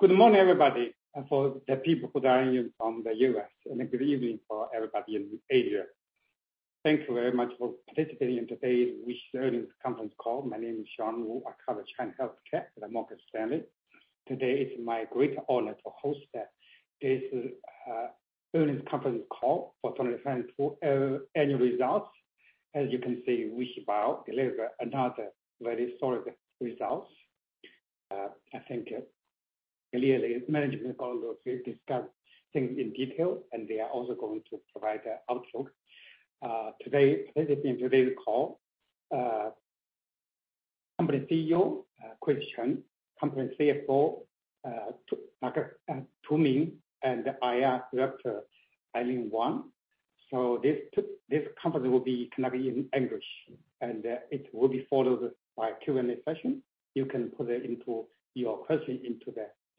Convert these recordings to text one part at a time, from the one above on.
Good morning, everybody, for the people who are dialing in from the US, good evening for everybody in Asia. Thank you very much for participating in today's WuXi earnings conference call. My name is Sean Wu. I cover China Healthcare at Morgan Stanley. Today, it's my great honor to host this earnings conference call for 2022 annual results. As you can see, WuXi Biologics delivered another very solid results. I think clearly management is going to discuss things in detail, they are also going to provide their outlook. Participating in today's call, Company CEO Chris Chen, Company CFO Min Tu, IR Director Eileen Wang. This company will be conducted in English, it will be followed by a Q&A session.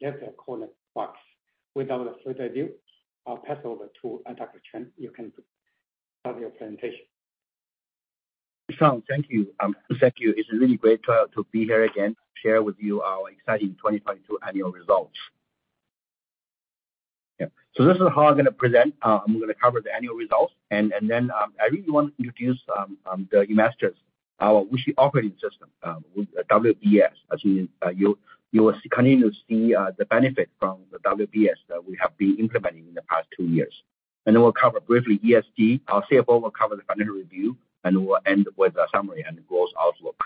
You can put it into your question into the general comment box. Without further ado, I'll pass over to Dr. Chen. You can start your presentation. Sean, thank you. Thank you. It's really great to be here again to share with you our exciting 2022 annual results. Yeah. This is how I'm going to present. I'm going to cover the annual results. Then, I really want to introduce the investors our WuXi operating system with WBS. As you will continue to see the benefit from the WBS that we have been implementing in the past 2 years. Then we'll cover briefly ESG. Our CFO will cover the financial review, and we'll end with a summary and growth outlook.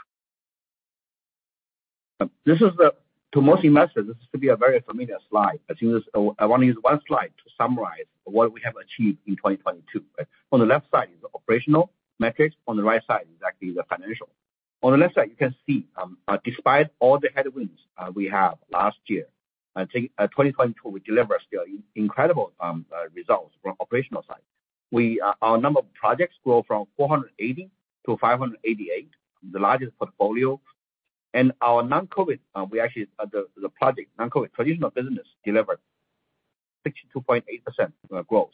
To most investors, this should be a very familiar slide. I think I want to use 1 slide to summarize what we have achieved in 2022. On the left side is operational metrics, on the right side is actually the financial. On the left side, you can see, despite all the headwinds we have last year, I think, 2022, we delivered still incredible results from operational side. We our number of projects grow from 480 to 588, the largest portfolio. Our non-COVID, we actually the project, non-COVID traditional business delivered 62.8% growth.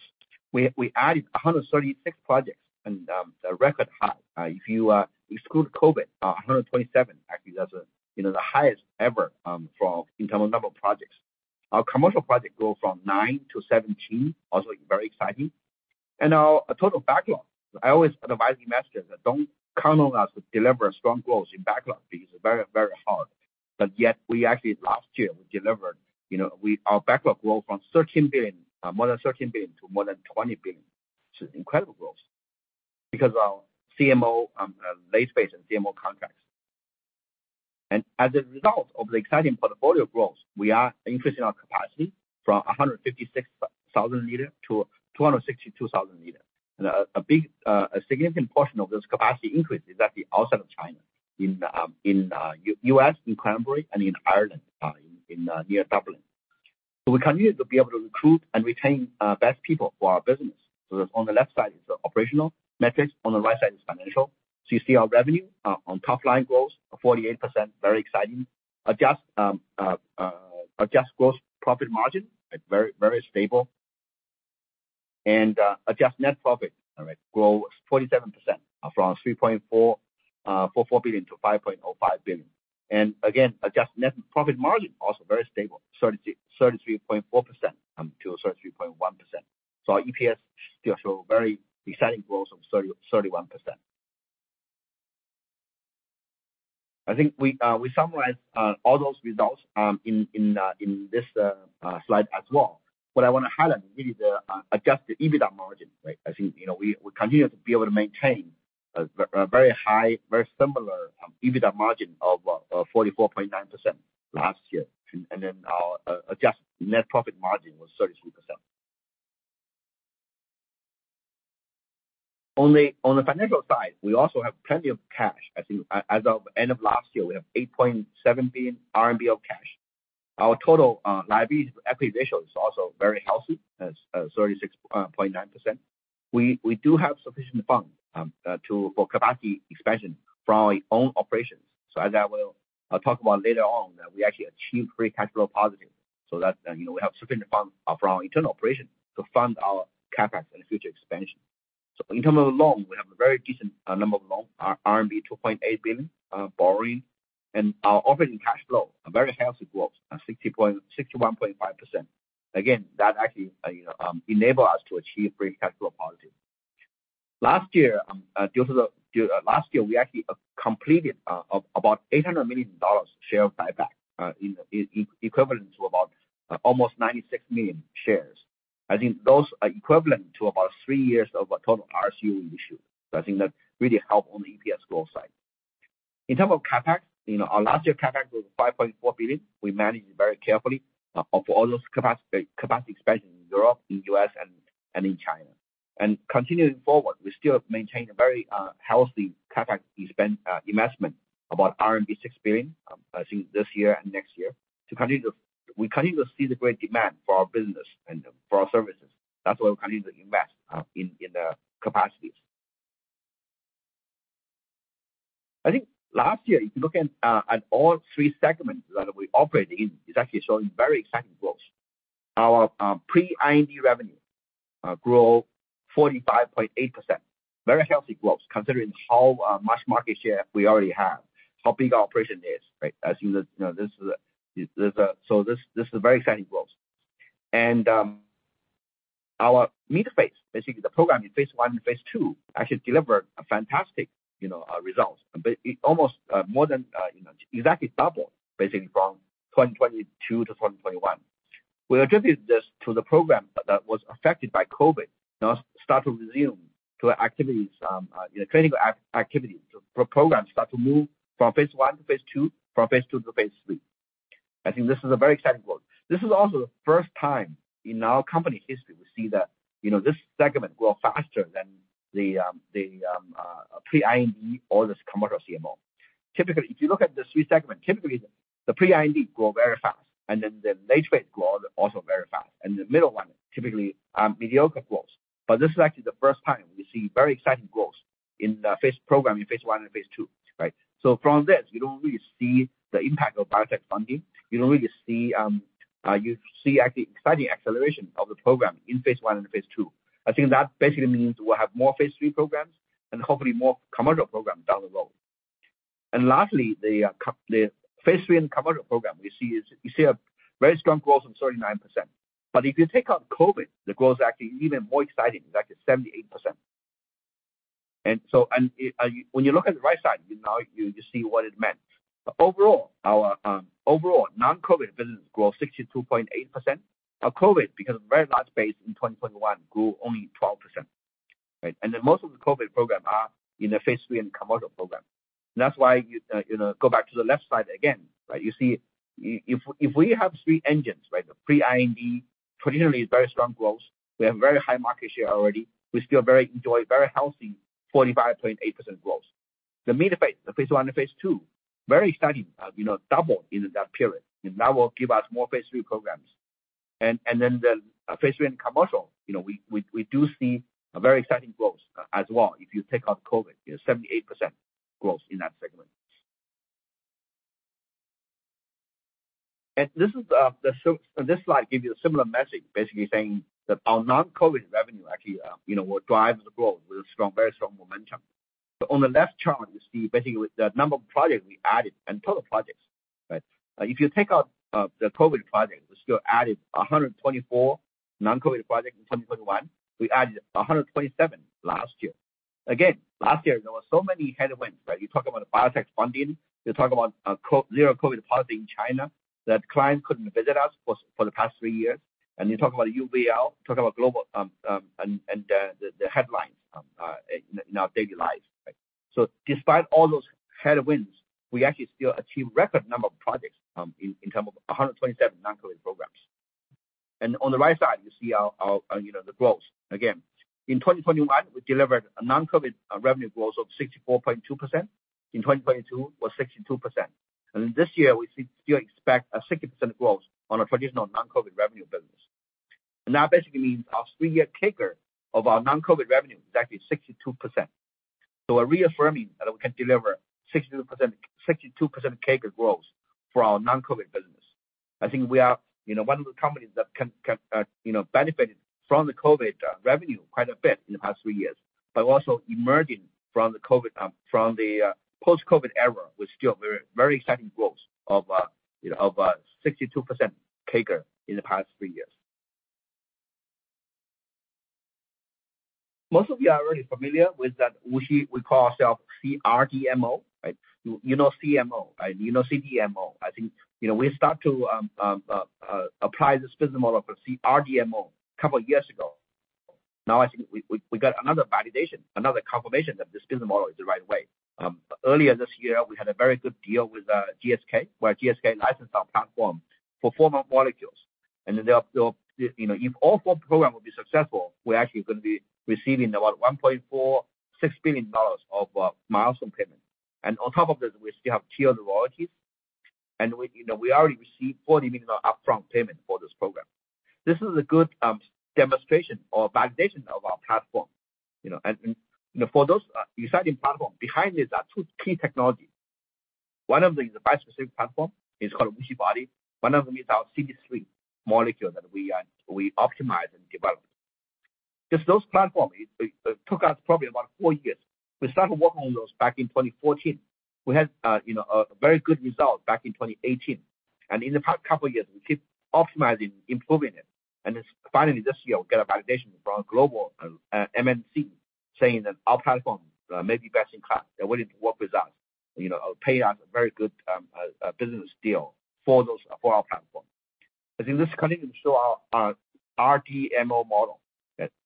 We added 136 projects and a record high. If you exclude COVID, 127, actually that's, you know, the highest ever for internal number of projects. Our commercial project grow from nine to 17, also very exciting. Our total backlog. I always advise investors that don't count on us to deliver strong growth in backlog because it's very, very hard. Yet, we actually last year, we delivered, you know, our backlog grow from $13 billion, more than $13 billion to more than $20 billion. It's incredible growth because our CMO, lease-based and CMO contracts. As a result of the exciting portfolio growth, we are increasing our capacity from 156,000 liter to 262,000 liter. A big, a significant portion of this capacity increase is actually outside of China, in US, in Cranbury, and in Ireland, near Dublin. We continue to be able to recruit and retain best people for our business. On the left side is the operational metrics, on the right side is financial. You see our revenue on top line growth of 48%, very exciting. Adjust gross profit margin, very stable. Adjust net profit, all right, grow 47% from 3.44 billion to 5.05 billion. Adjust net profit margin, also very stable, 33.4% to 33.1%. Our EPS still show very exciting growth of 31%. I think we summarize all those results in this slide as well. What I wanna highlight really the adjusted EBITDA margin. I think, you know, we continue to be able to maintain a very high, very similar EBITDA margin of 44.9% last year. Our adjust net profit margin was 33%. On the financial side, we also have plenty of cash. I think as of end of last year, we have 8.7 billion RMB of cash. Our total liabilities to equity ratio is also very healthy, that's 36.9%. We do have sufficient funds for capacity expansion from our own operations. As I will talk about later on, that we actually achieve free cash flow positive so that, you know, we have sufficient funds from our internal operations to fund our CapEx and future expansion. In terms of loans, we have a very decent number of loans, RMB 2.8 billion borrowing. Our operating cash flow, a very healthy growth of 61.5%. That actually enable us to achieve free cash flow positive. Last year, we actually completed about $800 million share buyback, equivalent to about almost 96 million shares. I think those are equivalent to about three years of total RCU issue. I think that really help on the EPS growth side. In terms of CapEx, our last year CapEx was $5.4 billion. We managed it very carefully for all those capacity expansion in Europe, in U.S., and in China. Continuing forward, we still maintain a very healthy CapEx investment, about RMB 6 billion, I think this year and next year we continue to see the great demand for our business and for our services. That's why we continue to invest in the capacities. I think last year, if you look at all three segments that we operate in, it's actually showing Our pre-IND revenue grow 45.8%. Very healthy growth considering how much market share we already have, how big our operation is, right? As you know, this is a very exciting growth. Our mid-phase, basically the program in phase I and phase II, actually delivered a fantastic, you know, results. It almost more than, you know, exactly doubled basically from 2022 to 2021. We attributed this to the program that was affected by COVID now start to resume to activities, you know, clinical activity. Programs start to move from phase 1 to phase 2, from phase 2 to phase 3. I think this is a very exciting growth. This is also the first time in our company history we see that, you know, this segment grow faster than the pre-IND or this commercial CMO. Typically, if you look at the three segment, typically the pre-IND grow very fast, and then the late phase grow also very fast, and the middle one typically mediocre growth. This is actually the first time we see very exciting growth in the phase program in phase 1 and phase 2, right? From this, we don't really see the impact of biotech funding. We don't really see you see actually exciting acceleration of the program in phase 1 and phase 2. I think that basically means we'll have more phase 3 programs and hopefully more commercial programs down the road. Lastly, the phase 3 and commercial program, we see a very strong growth from 39%. If you take out COVID, the growth is actually even more exciting, it's actually 78%. When you look at the right side, you now you see what it meant. Overall, our overall non-COVID business grow 62.8%. Now COVID, because of very large base in 2021, grew only 12%, right? Most of the COVID program are in the phase 3 and commercial program. That's why you know, go back to the left side again, right? You see if we have three engines, right? The pre-IND traditionally is very strong growth. We have very high market share already. We still very enjoy very healthy 45.8% growth. The mid-phase, the phase 1 and phase 2, very exciting, you know, double in that period. That will give us more phase 3 programs. The phase 3 and commercial, you know, we do see a very exciting growth as well if you take out COVID. You have 78% growth in that segment. This slide gives you a similar message, basically saying that our non-COVID revenue actually, you know, will drive the growth with a strong, very strong momentum. On the left chart, you see basically with the number of projects we added and total projects, right? If you take out the COVID project, we still added 124 non-COVID projects in 2021. We added 127 last year. Last year there were so many headwinds, right? You talk about biotech funding, you talk about zero COVID policy in China, that clients couldn't visit us for the past three years. You talk about UVL, talk about global, and the headlines in our daily lives, right? Despite all those headwinds, we actually still achieve record number of projects in term of 127 non-COVID programs. On the right side you see our, you know, the growth. In 2021, we delivered a non-COVID revenue growth of 64.2%. In 2022 was 62%. This year we still expect a 60% growth on a traditional non-COVID revenue business. That basically means our 3-year CAGR of our non-COVID revenue is actually 62%. We're reaffirming that we can deliver 60%, 62% CAGR growth for our non-COVID business. I think we are, you know, one of the companies that can, you know, benefited from the COVID revenue quite a bit in the past 3 years, but also emerging from the COVID from the post-COVID era with still very, very exciting growth of, you know, of 62% CAGR in the past 3 years. Most of you are already familiar with that WuXi, we call ourself CRDMO, right? You know CMO and you know CDMO. I think, you know, we start to apply this business model for CRDMO a couple years ago. I think we got another validation, another confirmation that this business model is the right way. Earlier this year, we had a very good deal with GSK, where GSK licensed our platform for four more molecules. The, you know, if all four program will be successful, we're actually gonna be receiving about $1.46 billion of milestone payment. On top of this, we still have tier royalties. We, you know, we already received $40 million upfront payment for this program. This is a good demonstration or validation of our platform, you know. You know, for those exciting platform, behind it are two key technology. One of them is a bispecific platform, it's called WuXiBody. One of them is our CD3 molecule that we are, we optimize and develop. Just those platform, it took us probably about 4 years. We started working on those back in 2014. We had, you know, a very good result back in 2018. In the past couple of years, we keep optimizing, improving it. Finally this year, we get a validation from global MNC saying that our platform may be best in class. They're willing to work with us, you know, pay us a very good business deal for those, for our platform. I think this continues to show our CRDMO model.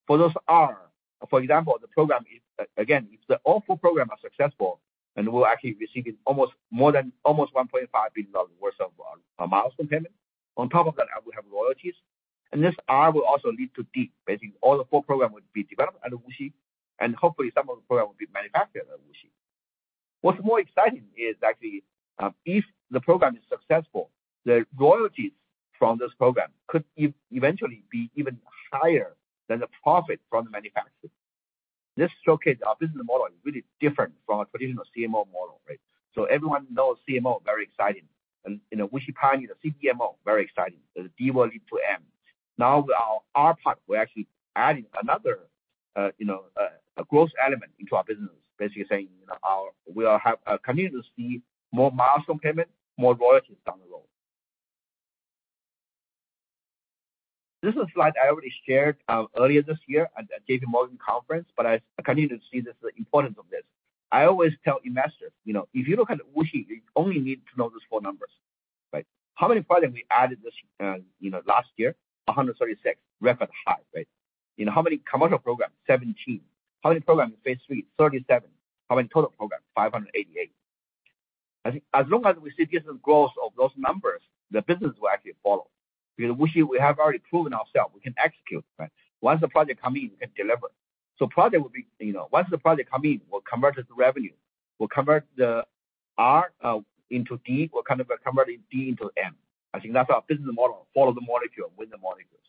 For those R, for example, the program is, again, if the all four program are successful, we're actually receiving almost more than, almost $1.5 billion worth of milestone payment. On top of that, I will have royalties. This R will also lead to D. Basically, all the four program would be developed at WuXi, and hopefully some of the program will be manufactured at WuXi. What's more exciting is actually, if the program is successful, the royalties from this program could eventually be even higher than the profit from the manufacturing. This showcase our business model is really different from a traditional CMO model, right? Everyone knows CMO, very exciting. You know, WuXi partner, the CDMO, very exciting. The D model into M. Our part, we're actually adding another, you know, a growth element into our business. Basically saying, you know, we'll have continue to see more milestone payment, more royalties down the road. This is a slide I already shared earlier this year at JP Morgan Conference, but I continue to see this, the importance of this. I always tell investors, you know, if you look at WuXi, you only need to know those four numbers, right? How many projects we added this, you know, last year? 136. Record high, right? You know, how many commercial programs? 17. How many programs in phase three? 37. How many total programs? 588. I think as long as we see decent growth of those numbers, the business will actually follow. Because WuXi, we have already proven ourselves, we can execute, right? Once the project come in, we can deliver. Project will be, you know, once the project come in, we'll convert it to revenue. We'll convert the R into D. We'll convert D into M. I think that's our business model. Follow the molecule, win the molecules.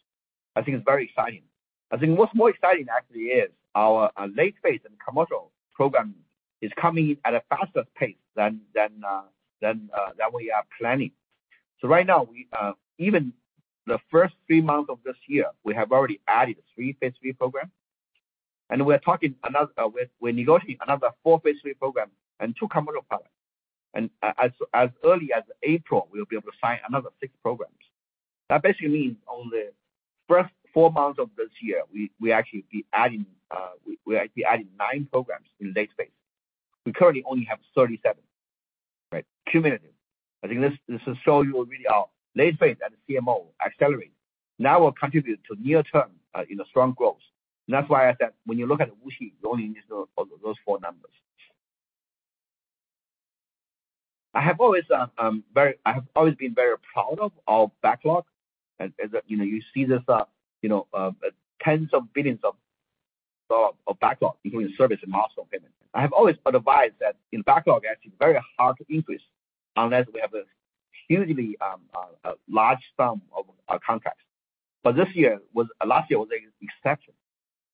I think it's very exciting. I think what's more exciting actually is our late phase and commercial program is coming in at a faster pace than that we are planning. Right now we, even the first three months of this year, we have already added 3 phase 3 program. We're negotiating another 4 phase 3 program and 2 commercial products. As early as April, we'll be able to sign another 6 programs. That basically means on the first 4 months of this year, we actually adding 9 programs in late phase. We currently only have 37, right? Cumulative. I think this will show you really our late phase and CMO accelerate. Now will contribute to near term, you know, strong growth. That's why I said, when you look at WuXi, you only need to know on-those 4 numbers. I have always been very proud of our backlog. As a, you know, you see this, you know, tens of billions of backlog between service and milestone payment. I have always advised that in backlog, actually very hard to increase unless we have a hugely large sum of contracts. Last year was an exception.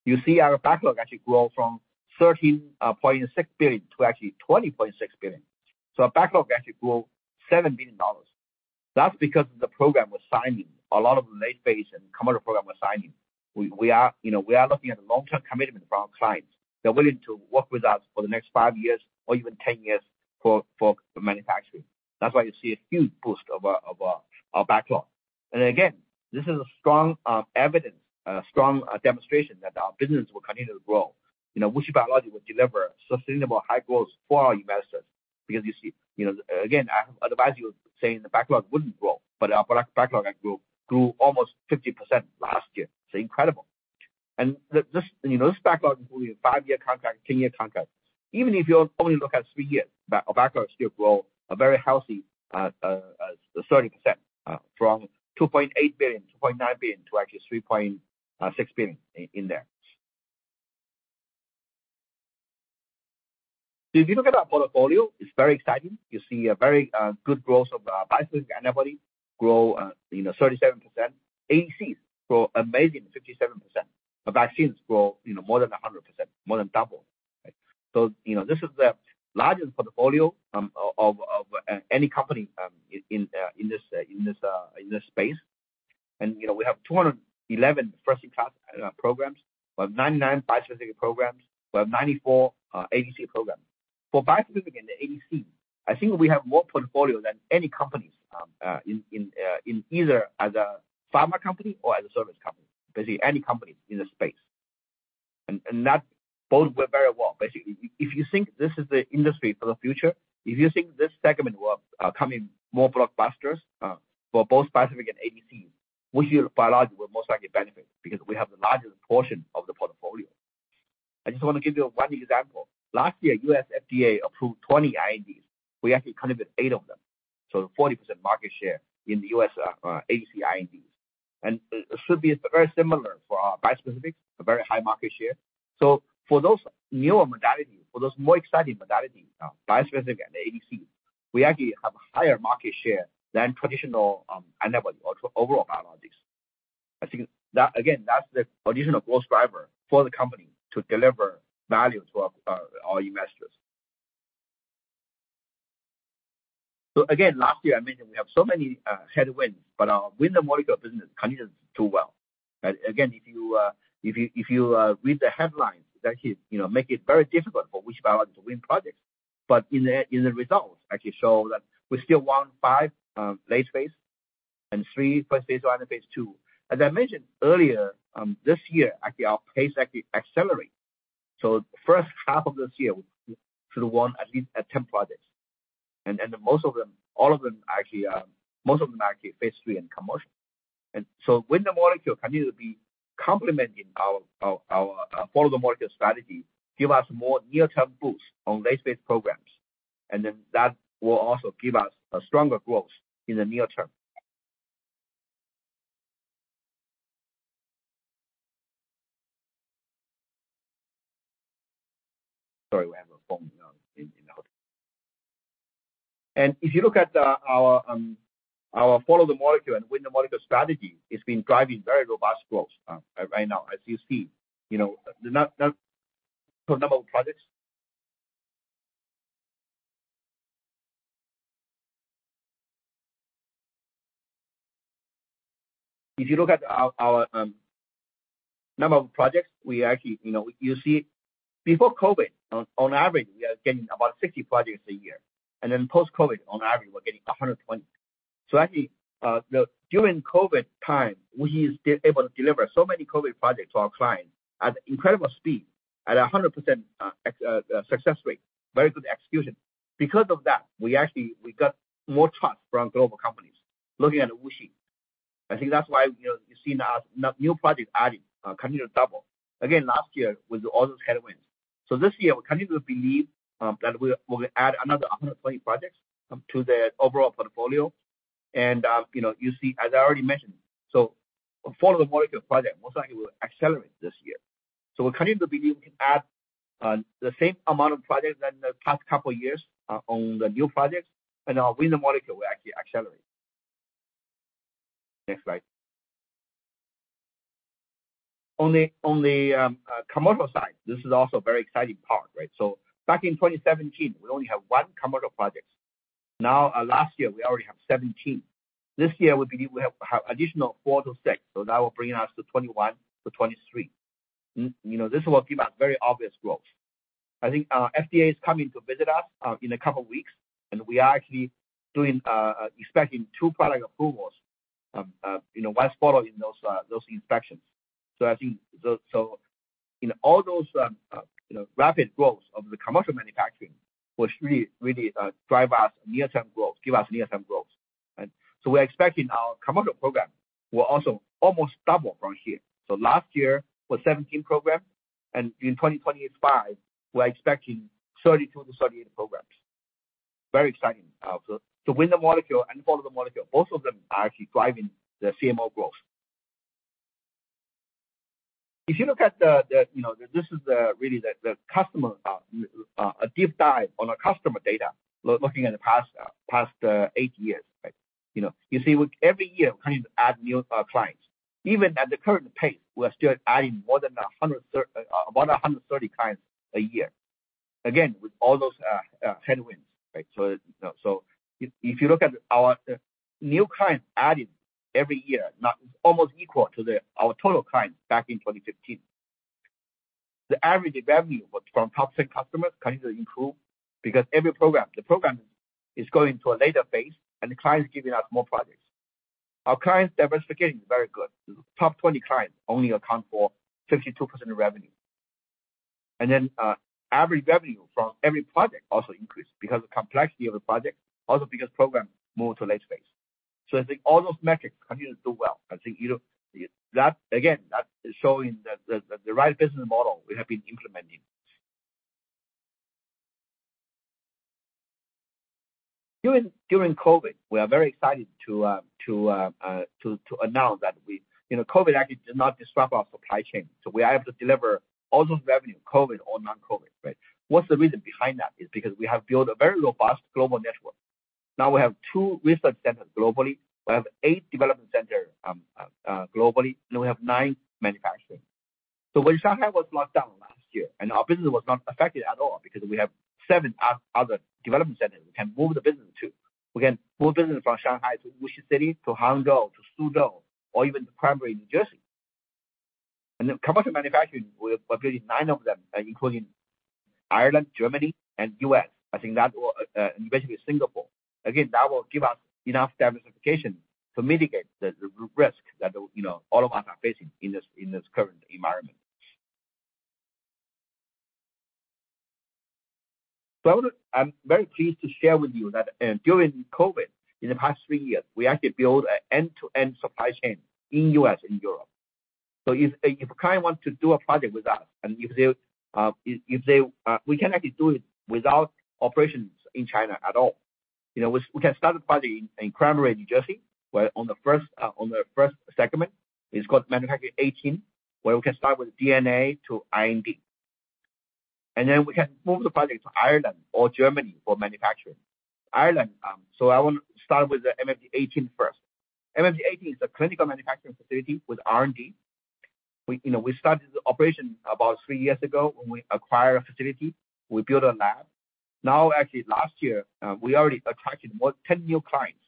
You see our backlog actually grow from $13.6 billion to actually $20.6 billion. Our backlog actually grow $7 billion. That's because the program we're signing, a lot of late phase and commercial program we're signing. We are, you know, we are looking at a long-term commitment from our clients. They're willing to work with us for the next five years or even ten years for manufacturing. That's why you see a huge boost of our backlog. Again, this is a strong evidence, a strong demonstration that our business will continue to grow. You know, WuXi Biologics will deliver sustainable high growth for our investors because you see, you know, again, I have advised you saying the backlog wouldn't grow, but our backlog grew almost 50% last year. It's incredible. This, you know, this backlog will be a five-year contract, ten-year contract. Even if you only look at three years, our backlog still grow a very healthy 30% from $2.8 billion, $2.9 billion to actually $3.6 billion in there. If you look at our portfolio, it's very exciting. You see a very good growth of our bispecific antibody grow, you know, 37%. ADCs grow amazing, 57%. The vaccines grow, you know, more than 100%, more than double, right. You know, this is the largest portfolio of any company in this space. You know, we have 211 first-in-class programs. We have 99 bispecific programs. We have 94 ADC programs. For bispecific and the ADC, I think we have more portfolio than any companies, in either as a pharma company or as a service company, basically any company in this space. That both work very well. Basically, if you think this is the industry for the future, if you think this segment will come in more blockbusters, for both bispecific and ADCs, WuXi Biologics will most likely benefit because we have the largest portion of the portfolio. I just wanna give you one example. Last year, US FDA approved 20 INDs. We actually counted as 8 of them. So 40% market share in the US ADC INDs. It should be very similar for our bispecific, a very high market share. For those newer modalities, for those more exciting modalities, bispecific and the ADC, we actually have higher market share than traditional antibody or overall biologics. I think that again, that's the additional growth driver for the company to deliver value to our, our investors. Again, last year I mentioned we have so many headwinds, but our win the molecule business continues to do well, right. Again, if you read the headlines, it actually, you know, make it very difficult for WuXi Biologics to win projects. In the results actually show that we still won 5 late phase and 3 phase I and phase II. As I mentioned earlier, this year actually our pace actually accelerate. The first half of this year, we should've won at least 10 projects. Most of them are actually phase III and commercial. Win the molecule continue to be complementing our follow the molecule strategy, give us more near-term boost on late phase programs. That will also give us a stronger growth in the near term. Sorry, we have a phone ringing there. If you look at our follow the molecule and win the molecule strategy, it's been driving very robust growth right now as you see. You know, the number of projects. If you look at our number of projects, we actually, you know, you see before COVID, on average, we are getting about 60 projects a year. Post-COVID, on average, we're getting 120. During COVID time, we still able to deliver so many COVID projects to our clients at incredible speed at 100% success rate, very good execution. We actually got more trust from global companies looking at WuXi. I think that's why, you know, you're seeing a new project adding, continue to double. Again, last year with all those headwinds. This year we continue to believe that we will add another 120 projects to the overall portfolio. You know, you see, as I already mentioned, follow the molecule project most likely will accelerate this year. We continue to believe we can add the same amount of projects than the past couple of years on the new projects and our win the molecule will actually accelerate. Next slide. On the commercial side, this is also very exciting part, right? Back in 2017, we only have 1 commercial projects. Now, last year, we already have 17. This year, we believe we have additional 4 to 6, so that will bring us to 21 to 23. You know, this will give us very obvious growth. I think FDA is coming to visit us in a couple of weeks, we are actually doing, expecting 2 product approvals, you know, once following those inspections. I think so in all those, you know, rapid growth of the commercial manufacturing will really drive us near-term growth, give us near-term growth. Right? We're expecting our commercial program will also almost double from here. Last year was 17 programs, and in 2025, we're expecting 32-38 programs. Very exciting. To win the molecule and follow the molecule, both of them are actually driving the CMO growth. If you look at, you know, this is the really the customer, a deep dive on our customer data looking at the past 8 years, right? You know, you see with every year we're continuing to add new clients. Even at the current pace, we're still adding more than about 130 clients a year. Again, with all those headwinds, right? You know, if you look at our new clients added every year, now almost equal to our total clients back in 2015. The average revenue was from top 10 customers continue to improve because every program, the program is going to a later phase, and the client is giving us more projects. Our clients diversification is very good. Top 20 clients only account for 52% of revenue. Average revenue from every project also increased because the complexity of the project, also because program move to late phase. I think all those metrics continue to do well. I think, you know, that again, that is showing the right business model we have been implementing. During COVID, we are very excited to announce that. You know, COVID actually did not disrupt our supply chain, so we are able to deliver all those revenue, COVID or non-COVID, right? What's the reason behind that? Because we have built a very robust global network. We have two research centers globally. We have eight development center globally, we have nine manufacturing. When Shanghai was locked down last year, our business was not affected at all because we have seven other development centers we can move the business to. We can move business from Shanghai to Wuxi City, to Hangzhou, to Suzhou, or even to Cranbury, New Jersey. Commercial manufacturing, we're building nine of them, including Ireland, Germany, and U.S. I think that will, and basically Singapore. That will give us enough diversification to mitigate the risk that, you know, all of us are facing in this current environment. I'm very pleased to share with you that, during COVID, in the past three years, we actually built an end-to-end supply chain in U.S. and Europe. If a client wants to do a project with us, and if they, We can actually do it without operations in China at all. You know, we can start the project in Cranbury, New Jersey, where on the first, on the first segment, it's called MFG18, where we can start with DNA to IND. We can move the project to Ireland or Germany for manufacturing. Ireland, I want to start with the MFG18 first. MFG18 is a clinical manufacturing facility with R&D. We, you know, started the operation about three years ago when we acquired a facility. We built a lab. Actually, last year, we already attracted 10 new clients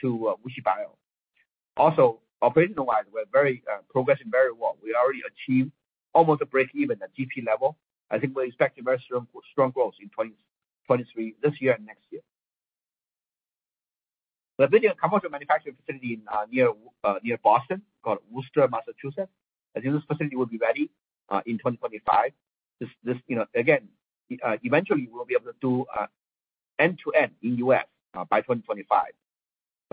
to WuXi Bio. Operational-wise, we're progressing very well. We already achieved almost a breakeven at GP level. I think we're expecting very strong growth in 2023, this year and next year. We're building a commercial manufacturing facility in near Boston, called Worcester, Massachusetts. I think this facility will be ready in 2025. This, you know, again, eventually we'll be able to do end-to-end in U.S. by 2025.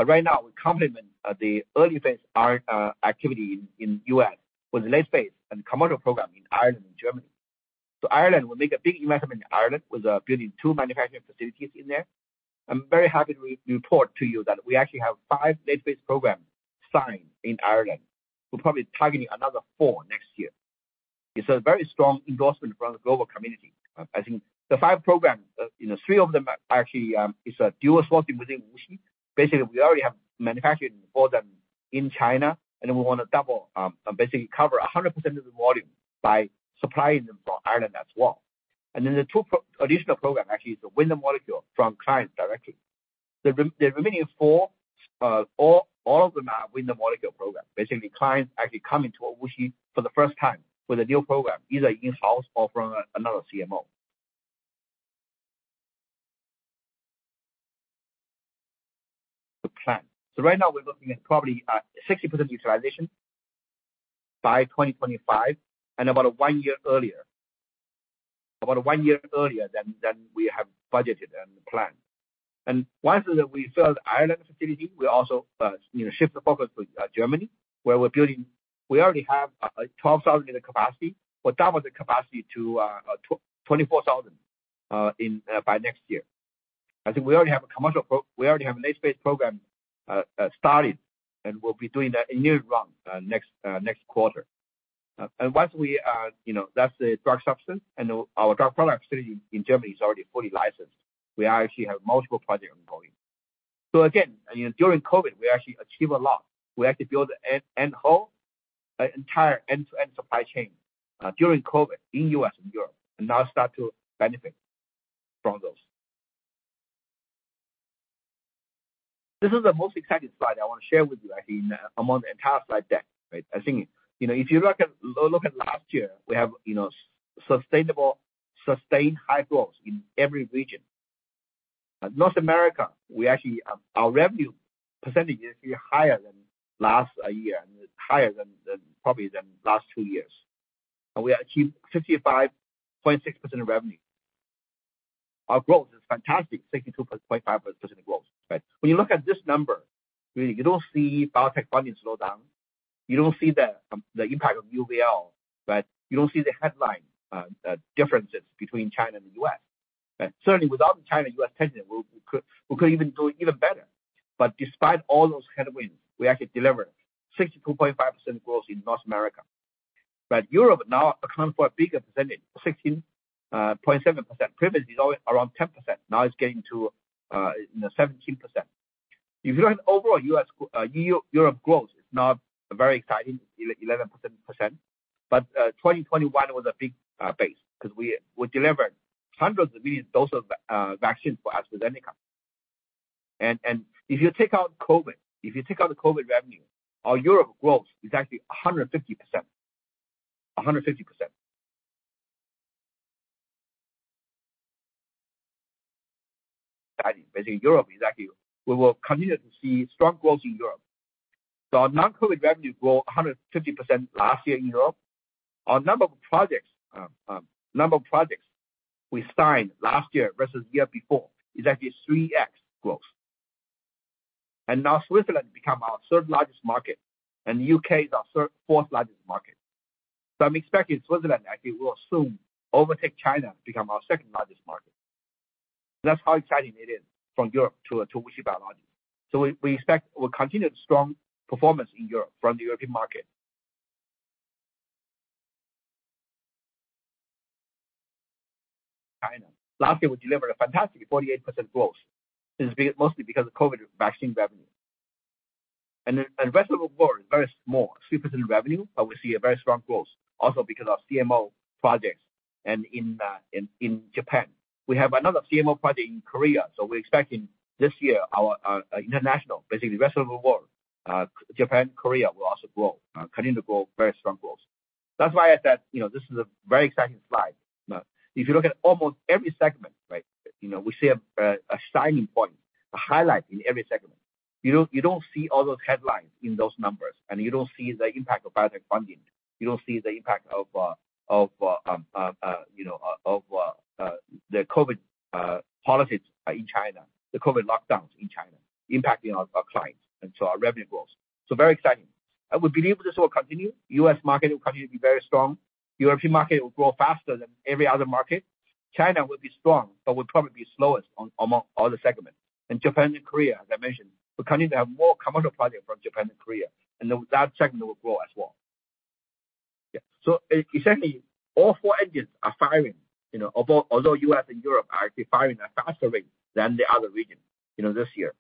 Right now, we complement the early phase R activity in U.S. with late phase and commercial program in Ireland and Germany. Ireland, we make a big investment in Ireland with building 2 manufacturing facilities in there. I'm very happy to report to you that we actually have 5 late phase programs signed in Ireland. We're probably targeting another 4 next year. It's a very strong endorsement from the global community. I think the 5 programs, you know, 3 of them are actually, is a dual source within WuXi. Basically, we already have manufactured both of them in China, and we wanna double, basically cover 100% of the volume by supplying them from Ireland as well. The 2 additional program actually is to win the molecule from client directly. The remaining 4, all of them are win the molecule program. Clients actually come into WuXi for the first time with a new program, either in-house or from another CMO. The plan. Right now we're looking at probably at 60% utilization by 2025 and about one year earlier than we have budgeted and planned. Once we fill the Ireland facility, we also, you know, shift the focus to Germany, where we're building. We already have a 12,000 in the capacity. We'll double the capacity to 24,000 in by next year. I think we already have an late-stage program started, and we'll be doing that in year one next quarter. Once we are, you know, that's the drug substance and our drug product facility in Germany is already fully licensed. We actually have multiple projects ongoing. Again, you know, during COVID, we actually achieve a lot. We actually build end whole, entire end-to-end supply chain during COVID in U.S. and Europe and now start to benefit from those. This is the most exciting slide I wanna share with you, I think, among the entire slide deck, right? I think, you know, if you look at, look at last year, we have, you know, sustainable, sustained high growth in every region. North America, we actually, our revenue percentage is higher than last year and higher than probably than last two years. We achieve 55.6% revenue. Our growth is fantastic, 62.5% growth, right? When you look at this number, you don't see biotech funding slow down. You don't see the impact of UBL, right? You don't see the headline differences between China and the U.S., right? Certainly, without the China, U.S. tension, we could even do even better. Despite all those headwinds, we actually deliver 62.5% growth in North America. Europe now account for a bigger percentage, 16.7%. Previously it's always around 10%, now it's getting to, you know, 17%. If you look at overall Europe growth is now very exciting, 11%. 2021 was a big base 'cause we delivered hundreds of millions dose of vaccine for AstraZeneca. If you take out COVID revenue, our Europe growth is actually 150%. Basically Europe exactly, we will continue to see strong growth in Europe. Our non-COVID revenue grow 150% last year in Europe. Our number of projects we signed last year versus the year before is actually 3x growth. Now Switzerland become our third-largest market, and the UK is our fourth-largest market. I'm expecting Switzerland actually will soon overtake China to become our second-largest market. That's how exciting it is from Europe to WuXi Biologics. We expect we'll continue the strong performance in Europe from the European market. China. Last year, we delivered a fantastic 48% growth. It's mostly because of COVID vaccine revenue. Rest of the world very small, 3% revenue, but we see a very strong growth also because of CMO projects and in Japan. We have another CMO project in Korea, so we're expecting this year our international, basically rest of the world, Japan, Korea will also continue to grow, very strong growth. That's why I said, you know, this is a very exciting slide. If you look at almost every segment, right? You know, we see a shining point, a highlight in every segment. You don't see all those headlines in those numbers, and you don't see the impact of biotech funding. You don't see the impact of, you know, the COVID policies in China, the COVID lockdowns in China impacting our clients and so our revenue growth. Very exciting. We believe this will continue. U.S. market will continue to be very strong. European market will grow faster than every other market. China will be strong, but will probably be slowest among all the segments. Japan and Korea, as I mentioned, we continue to have more commercial projects from Japan and Korea, and that segment will grow as well. Exactly all four engines are firing, you know, although US and Europe are actually firing at faster rate than the other regions, you know, this year.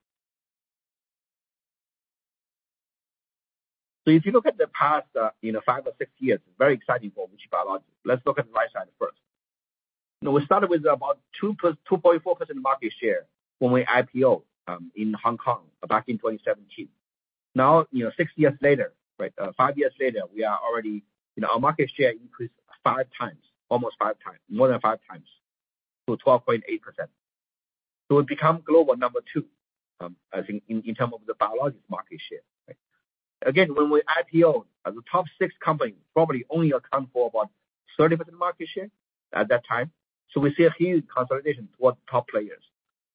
If you look at the past, you know, five or six years, very exciting for WuXi Biologics. Let's look at the right side first. You know, we started with about 2.4% market share when we IPO in Hong Kong back in 2017. You know, 6 years later, right, 5 years later, we are already, you know, our market share increased 5 times, almost 5 times, more than 5 times to 12.8%. We've become global number two, I think in term of the biologics market share, right? When we IPO, the top 6 company probably only account for about 30% market share at that time. We see a huge consolidation towards top players.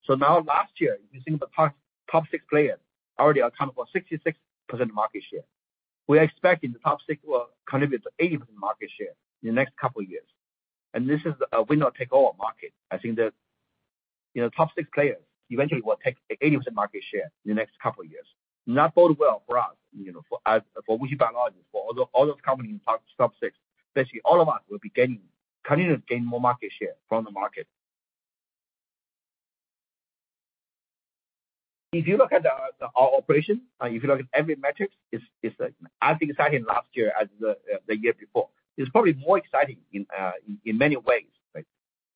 Now last year, you think the top 6 players already account for 66% market share. We're expecting the top 6 will contribute to 80% market share in the next couple years. This is a winner-take-all market. I think You know, top 6 players eventually will take 80% market share in the next couple of years. That bodes well for us, you know, for us, for WuXi Biologics, for all those companies in top six. Basically all of us will be gaining, continue to gain more market share from the market. If you look at the operation, if you look at every metrics, it's as exciting last year as the year before. It's probably more exciting in many ways, right?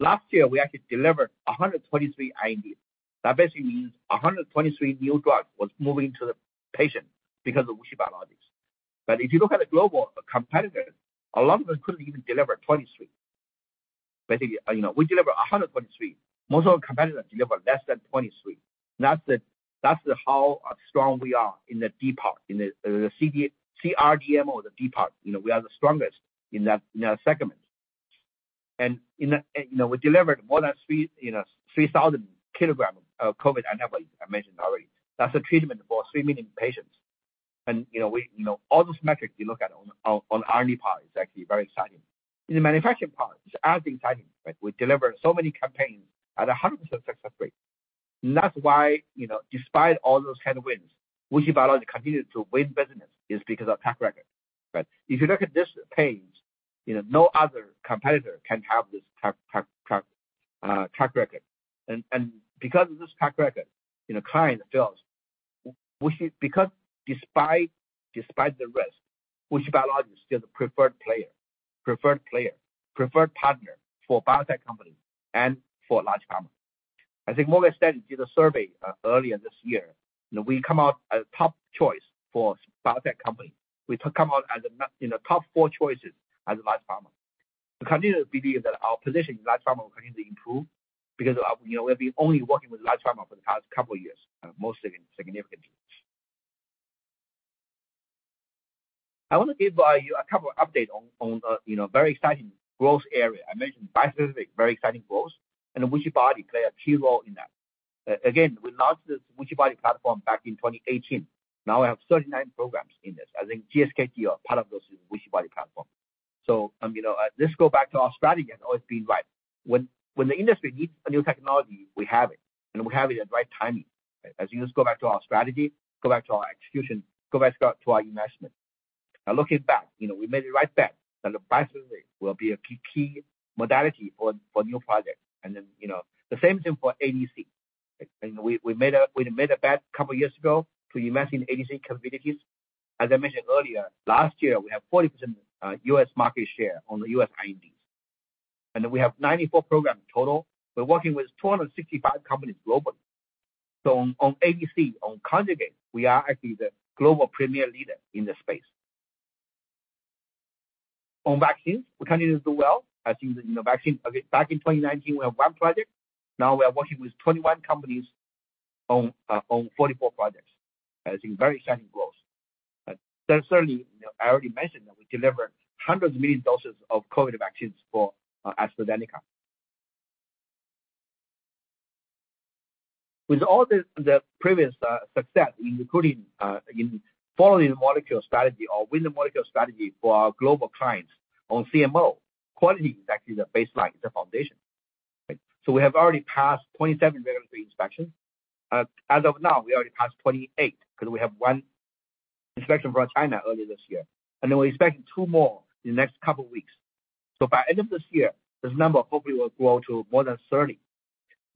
Last year, we actually delivered 123 INDs. That basically means 123 new drugs was moving to the patient because of WuXi Biologics. If you look at the global competitors, a lot of them couldn't even deliver 23. Basically, you know, we deliver 123. Most of our competitors deliver less than 23. That's the how strong we are in the D part, in the CD, CRDMO or the D part, you know, we are the strongest in that, in that segment. You know, we delivered more than 3, you know, 3,000 kilograms of COVID antibody, I mentioned already. That's a treatment for 3 million patients. You know, we, you know, all those metrics you look at on R&D part is actually very exciting. In the manufacturing part, it's as exciting, right? We deliver so many campaigns at a 100% success rate. That's why, you know, despite all those headwinds, WuXi Biologics continue to win business is because of track record, right? If you look at this page, you know, no other competitor can have this track record. Because of this track record, you know, client feels WuXi Biologics because despite the risk, WuXi Biologics is still the preferred partner for biotech companies and for large pharma. I think Morgan Stanley did a survey earlier this year, you know, we come out as top choice for biotech companies. We come out as, you know, top four choices as large pharma. We continue to believe that our position in large pharma will continue to improve because of, you know, we've been only working with large pharma for the past couple of years, most significantly. I want to give you a couple of updates on, you know, very exciting growth area. I mentioned bispecific, very exciting growth, and WuXiBody play a key role in that. Again, we launched this WuXiBody platform back in 2018. We have 39 programs in this. I think GSK are part of this WuXiBody platform. You know, this go back to our strategy and always been right. When the industry needs a new technology, we have it, and we have it at right timing. As you just go back to our strategy, go back to our execution, go back to our investment. Looking back, you know, we made it right bet that the bispecific will be a key modality for new projects. You know, the same thing for ADC. You know, we made a bet a couple of years ago to invest in ADC capabilities. As I mentioned earlier, last year, we have 40% US market share on the US IND. We have 94 programs total. We're working with 265 companies globally. On ADC, on Conjugate, we are actually the global premier leader in the space. On vaccines, we continue to do well. As you know, vaccine, back in 2019, we have one project. Now we are working with 21 companies on 44 projects. I think very exciting growth. Certainly, you know, I already mentioned that we deliver hundreds of million doses of COVID vaccines for AstraZeneca. With all the previous success, including in following the molecule strategy or with the molecule strategy for our global clients on CMO, quality is actually the baseline, it's the foundation. We have already passed 27 regulatory inspections. As of now, we already passed 28 because we have one inspection from China earlier this year. We're expecting 2 more in the next couple of weeks. By end of this year, this number hopefully will grow to more than 30.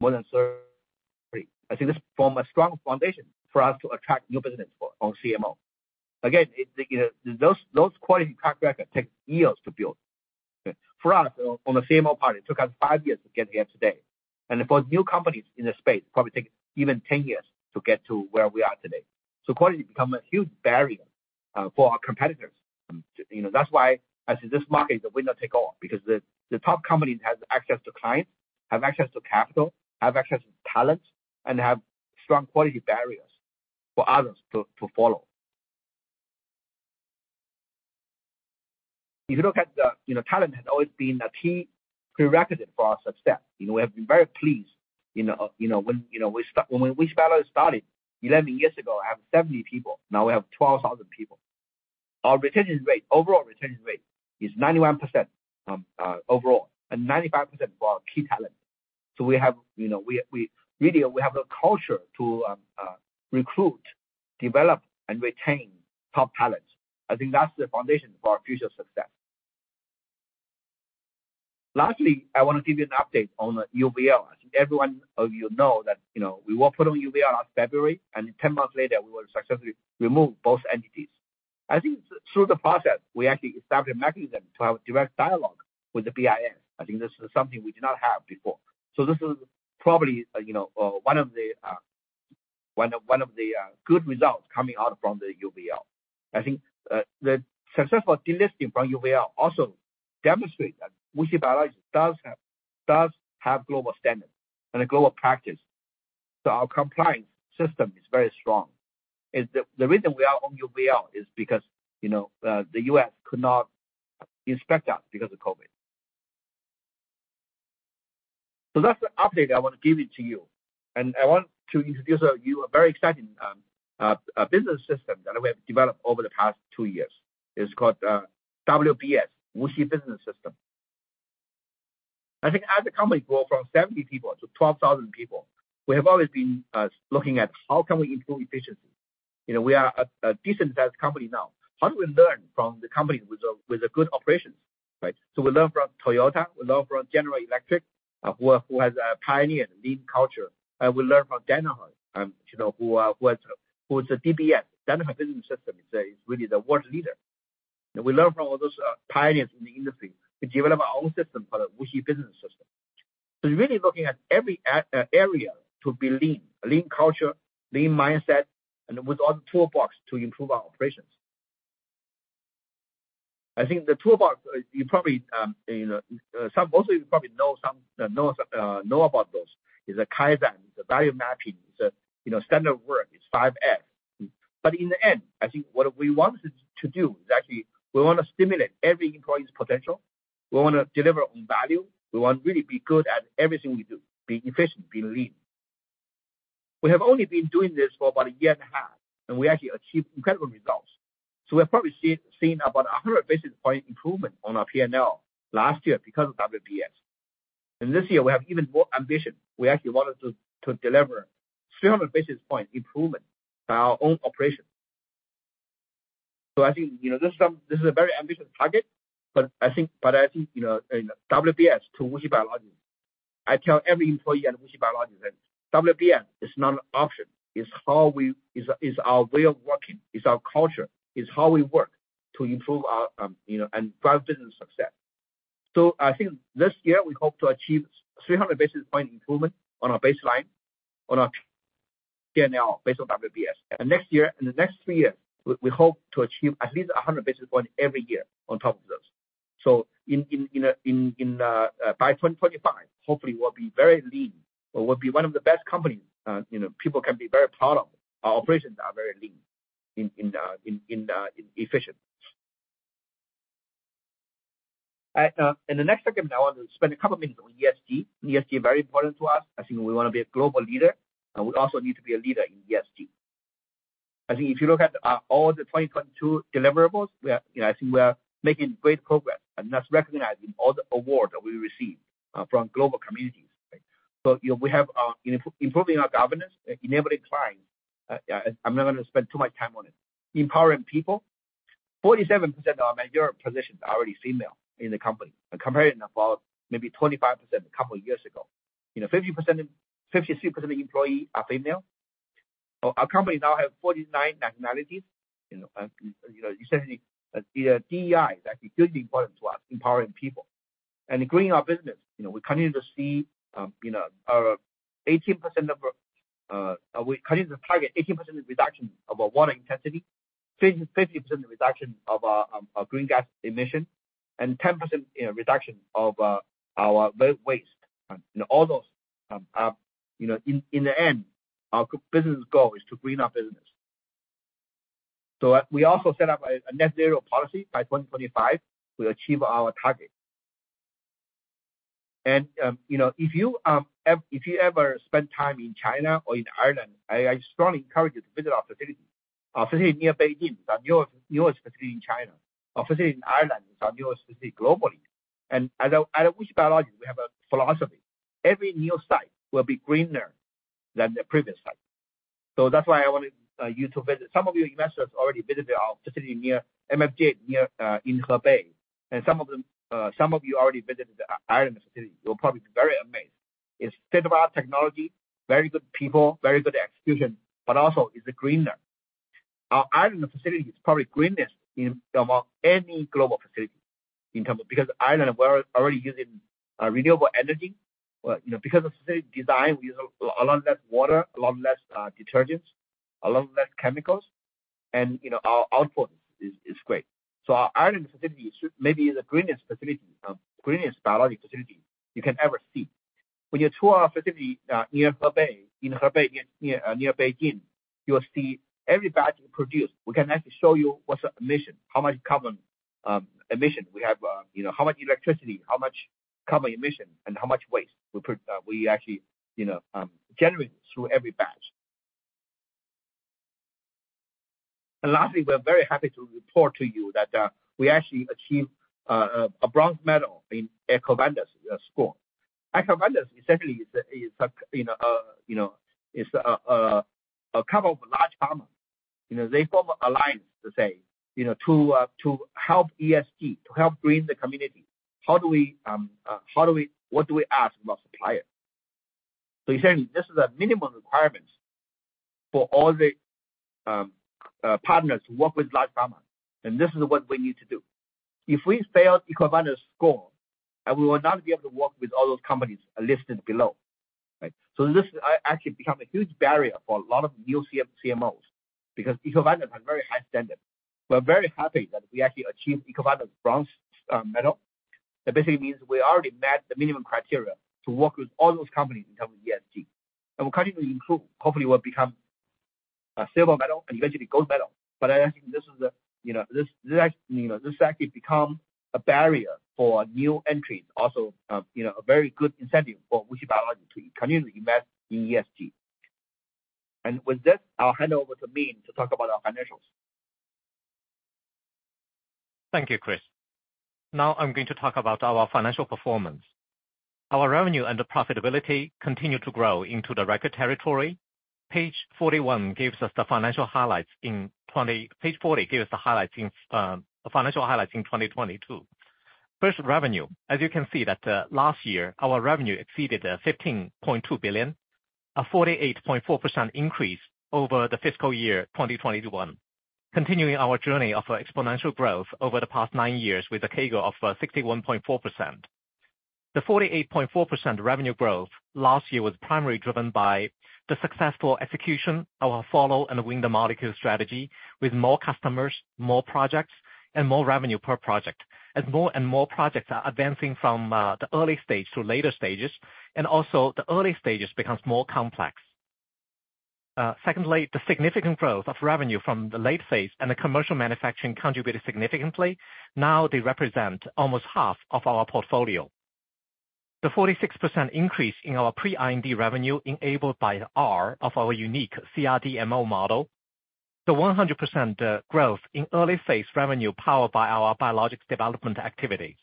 I think this form a strong foundation for us to attract new business for, on CMO. It, you know, those quality track record take years to build. For us, on the CMO part, it took us 5 years to get here today. zFor new companies in the space, probably take even 10 years to get to where we are today. Quality become a huge barrier for our competitors. You know, that's why I say this market is the winner take all, because the top companies has access to clients, have access to capital, have access to talent, and have strong quality barriers for others to follow. If you look at the, you know, talent has always been a key prerequisite for our success. You know, we have been very pleased, you know, you know, when, you know, when WuXi first started 11 years ago, we have 70 people. Now we have 12,000 people. Our retention rate, overall retention rate is 91% overall, and 95% for our key talent. We have, you know, we really have the culture to recruit, develop, and retain top talent. I think that's the foundation for our future success. Lastly, I wanna give you an update on the UVL. I think every one of you know that, you know, we were put on UVL on February, 10 months later, we were successfully removed both entities. I think through the process, we actually established a mechanism to have direct dialogue with the BIS. I think this is something we did not have before. This is probably, you know, one of the good results coming out from the UVL. I think the successful delisting from UVL also demonstrate that WuXi Biologics does have global standards and a global practice. Our compliance system is very strong. It's the reason we are on UVL is because, you know, the US could not inspect us because of COVID. That's the update I want to give it to you. I want to introduce you a very exciting business system that we have developed over the past two years. It's called WBS, WuXi Biologics Business System. I think as a company grow from 70 people to 12,000 people, we have always been looking at how can we improve efficiency. You know, we are a decent sized company now. How do we learn from the company with a good operation, right? We learn from Toyota, we learn from General Electric, who has a pioneer lean culture, and we learn from Danaher, you know, who is a DBS. Danaher Business System is really the world leader. We learn from all those pioneers in the industry to develop our own system called WuXi Business System. Really looking at every area to be lean. Lean culture, lean mindset, and with all the toolbox to improve our operations. I think the toolbox, you probably, you know, most of you probably know some, know about those. Is a Kaizen, it's a value stream mapping, it's a, you know, standard work, it's 5S. In the end, I think what we want to do is actually we wanna stimulate every employee's potential. We wanna deliver on value. We want really be good at everything we do, being efficient, being lean. We have only been doing this for about 1.5 years, we actually achieved incredible results. We've probably seen about 100 basis point improvement on our P&L last year because of WBS. This year we have even more ambition. We actually wanted to deliver 300 basis point improvement by our own operation. I think, you know, this. this is a very ambitious target, but I think, you know, WBS to WuXi Biologics, I tell every employee at WuXi Biologics that WBS is not an option. It's our way of working, it's our culture, it's how we work to improve our, you know, and drive business success. I think this year we hope to achieve 300 basis points improvement on our baseline, on our P&L based on WBS. Next year, in the next three years, we hope to achieve at least 100 basis points every year on top of this. By 2025, hopefully we'll be very lean or we'll be one of the best companies, you know, people can be very proud of. Our operations are very lean in efficient. The next segment I want to spend a couple minutes on ESG. ESG is very important to us. I think we wanna be a global leader, and we also need to be a leader in ESG. I think if you look at all the 2022 deliverables, we are, you know, I think we are making great progress, and that's recognizing all the award that we receive from global communities, right? You know, we have improving our governance, enabling clients. I'm not gonna spend too much time on it. Empowering people. 47% of our manager positions are already female in the company. A comparison of about maybe 25% a couple years ago. You know, 53% of the employee are female. Our company now have 49 nationalities. You know, essentially, the DEI is actually hugely important to us, empowering people. Growing our business. You know, we continue to see, you know, 18% of we continue to target 18% reduction of our water intensity, 50% reduction of our green gas emission, and 10%, you know, reduction of our waste. All those are, you know, in the end, our business goal is to green our business. We also set up a net zero policy. By 2025, we achieve our target. You know, if you ever spend time in China or in Ireland, I strongly encourage you to visit our facility. Our facility near Beijing is our newest facility in China. Our facility in Ireland is our newest facility globally. At WuXi Biologics, we have a philosophy. Every new site will be greener than the previous site. That's why I wanted you to visit. Some of you investors already visited our facility near MFG8, in Hebei. Some of you already visited the Ireland facility. You'll probably be very amazed. It's state-of-the-art technology, very good people, very good execution, but also it's greener. Our Ireland facility is probably greenest among any global facility in terms of... Ireland, we're already using renewable energy. Well, you know, because of facility design, we use a lot less water, a lot less detergents, a lot less chemicals. You know, our output is great. Our Ireland facility should maybe is the greenest facility, greenest biologic facility you can ever see. When you tour our facility, near Hebei, in Hebei near Beijing, you'll see every batch we produce. We can actually show you what's our emission, how much carbon emission we have, you know, how much electricity, how much carbon emission, and how much waste we put, we actually, you know, generate through every batch. Lastly, we're very happy to report to you that we actually achieved a bronze medal in EcoVadis score. EcoVadis essentially is a, is a, you know, a couple of large pharma. You know, they form alliance to say, you know, to help ESG, to help green the community. How do we what do we ask from our supplier? Essentially, this is a minimum requirement for all the partners who work with large pharma, and this is what we need to do. If we fail EcoVadis score, we will not be able to work with all those companies listed below, right? This actually become a huge barrier for a lot of new CMOs because EcoVadis has very high standard. We're very happy that we actually achieved EcoVadis bronze medal. That basically means we already met the minimum criteria to work with all those companies in terms of ESG. We'll continue to improve, hopefully we'll become a silver medal and eventually gold medal. I think this is a, you know, this, you know, this actually become a barrier for new entries, also, you know, a very good incentive for WuXi Biologics to continue to invest in ESG. With that, I'll hand over to Min to talk about our financials. Thank you, Chris. Now I'm going to talk about our financial performance. Our revenue and profitability continue to grow into the record territory. Page 40 gives the highlights in financial highlights in 2022. First, revenue. As you can see that, last year, our revenue exceeded $15.2 billion, a 48.4% increase over the fiscal year 2021, continuing our journey of exponential growth over the past 9 years with a CAGR of 61.4%. The 48.4% revenue growth last year was primarily driven by the successful execution of our follow and win the molecule strategy with more customers, more projects, and more revenue per project, as more and more projects are advancing from the early stage to later stages, and also the early stages becomes more complex. Secondly, the significant growth of revenue from the late phase and the commercial manufacturing contributed significantly. Now they represent almost half of our portfolio. The 46% increase in our pre-IND revenue enabled by our unique CRDMO model. The 100% growth in early phase revenue powered by our biologics development activity.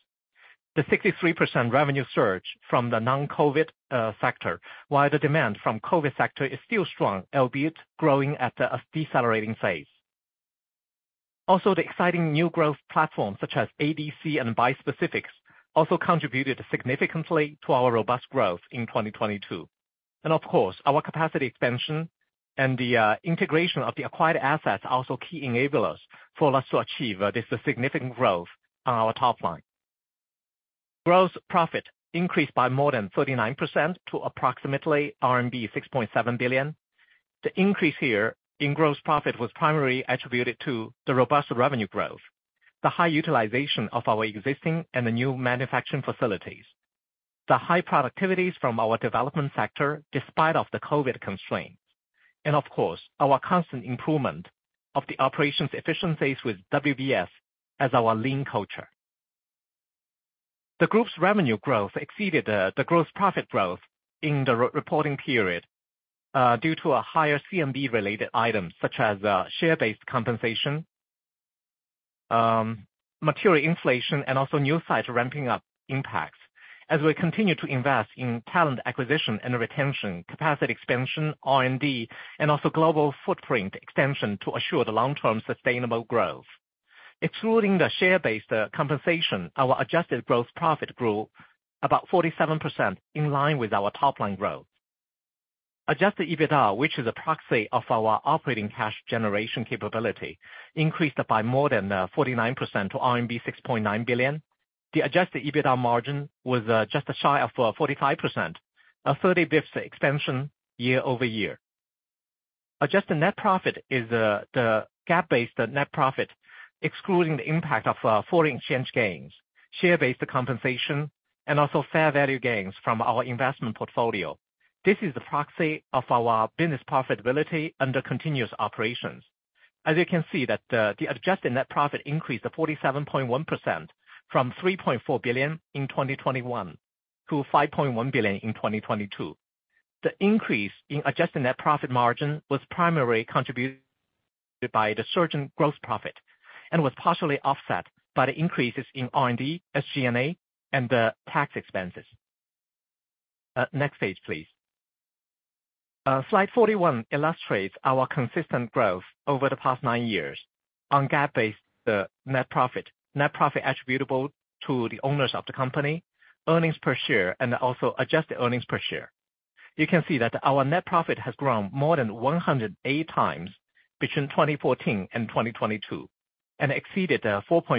The 63% revenue surge from the non-COVID sector, while the demand from COVID sector is still strong, albeit growing at a decelerating phase. Also, the exciting new growth platforms such as ADC and bispecifics also contributed significantly to our robust growth in 2022. Of course, our capacity expansion and the integration of the acquired assets are also key enablers for us to achieve this significant growth on our top line. Gross profit increased by more than 39% to approximately RMB 6.7 billion. The increase here in gross profit was primarily attributed to the robust revenue growth, the high utilization of our existing and the new manufacturing facilities, the high productivities from our development sector despite of the COVID constraints, and of course, our constant improvement of the operations efficiencies with WBS as our lean culture. The group's revenue growth exceeded the gross profit growth in the re-reporting period due to a higher CMD-related items such as share-based compensation, material inflation, and also new site ramping up impacts as we continue to invest in talent acquisition and retention, capacity expansion, R&D, and also global footprint expansion to assure the long-term sustainable growth. Excluding the share-based compensation, our adjusted gross profit grew about 47% in line with our top line growth. Adjusted EBITDA, which is a proxy of our operating cash generation capability, increased by more than 49% to RMB 6.9 billion. The adjusted EBITDA margin was just shy of 45%, a 30 bps extension year-over-year. Adjusted net profit is the GAAP-based net profit, excluding the impact of foreign exchange gains, share-based compensation, and also fair value gains from our investment portfolio. This is a proxy of our business profitability under continuous operations. As you can see that, the adjusted net profit increased 47.1% from 3.4 billion in 2021 to 5.1 billion in 2022. The increase in adjusted net profit margin was primarily contributed by the surge in gross profit and was partially offset by the increases in R&D, SG&A, and the tax expenses. Next page, please. Slide 41 illustrates our consistent growth over the past nine years on GAAP-based net profit, net profit attributable to the owners of the company, earnings per share, and also adjusted earnings per share. You can see that our net profit has grown more than 108 times between 2014 and 2022 and exceeded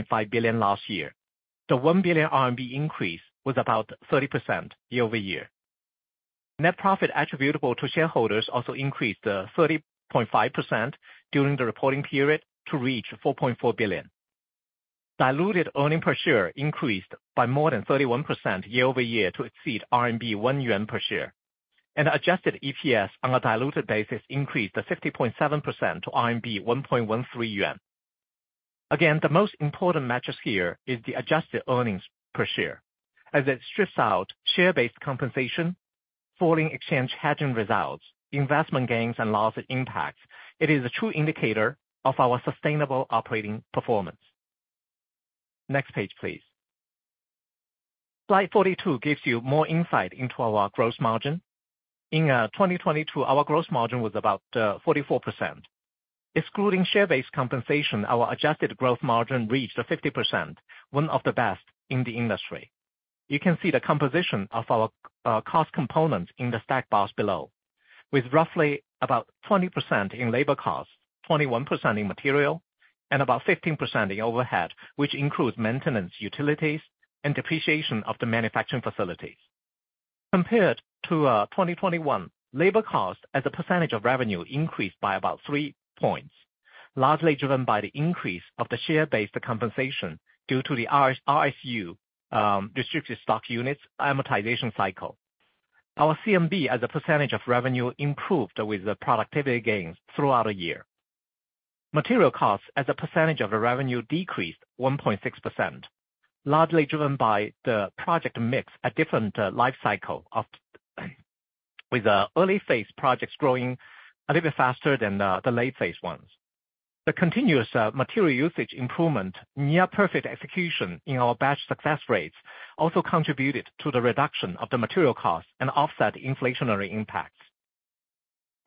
4.5 billion last year. The 1 billion RMB increase was about 30% year-over-year. Net profit attributable to shareholders also increased 30.5% during the reporting period to reach 4.4 billion. Diluted earning per share increased by more than 31% year-over-year to exceed 1 yuan per share. Adjusted EPS on a diluted basis increased to 50.7% to 1.13 yuan. Again, the most important metrics here is the adjusted earnings per share, as it strips out share-based compensation, foreign exchange hedging results, investment gains and losses impacts. It is a true indicator of our sustainable operating performance. Next page, please. Slide 42 gives you more insight into our gross margin. In 2022, our gross margin was about 44%. Excluding share-based compensation, our adjusted gross margin reached 50%, one of the best in the industry. You can see the composition of our cost components in the stack bars below, with roughly about 20% in labor costs, 21% in material, and about 15% in overhead, which includes maintenance, utilities, and depreciation of the manufacturing facilities. Compared to 2021, labor costs as a percentage of revenue increased by about 3 points, largely driven by the increase of the share-based compensation due to the RSU, restricted stock units amortization cycle. Our COGS as a percentage of revenue improved with the productivity gains throughout the year. Material costs as a percentage of the revenue decreased 1.6%, largely driven by the project mix at different life cycle. With the early phase projects growing a little bit faster than the late phase ones. The continuous material usage improvement, near perfect execution in our batch success rates also contributed to the reduction of the material costs and offset inflationary impacts.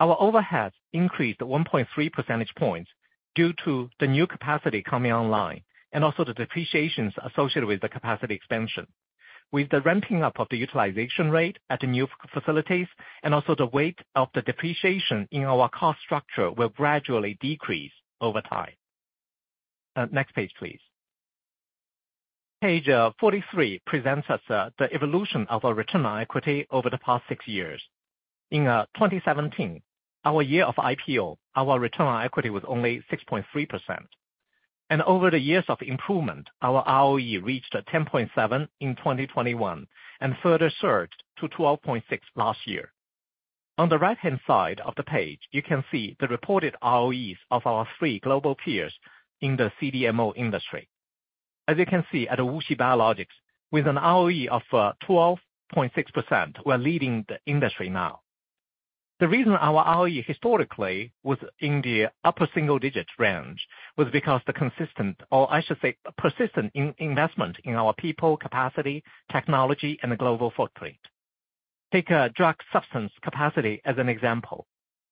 Our overheads increased 1.3 percentage points due to the new capacity coming online and also the depreciations associated with the capacity expansion. With the ramping up of the utilization rate at the new facilities and also the weight of the depreciation in our cost structure will gradually decrease over time. Next page, please. Page 43 presents us the evolution of our return on equity over the past six years. In 2017, our year of IPO, our return on equity was only 6.3%. Over the years of improvement, our ROE reached 10.7 in 2021 and further surged to 12.6 last year. On the right-hand side of the page, you can see the reported ROEs of our three global peers in the CDMO industry. As you can see, at WuXi Biologics, with an ROE of 12.6%, we're leading the industry now. The reason our ROE historically was in the upper single digits range was because the consistent, or I should say persistent in-investment in our people, capacity, technology, and the global footprint. Take a drug substance capacity as an example.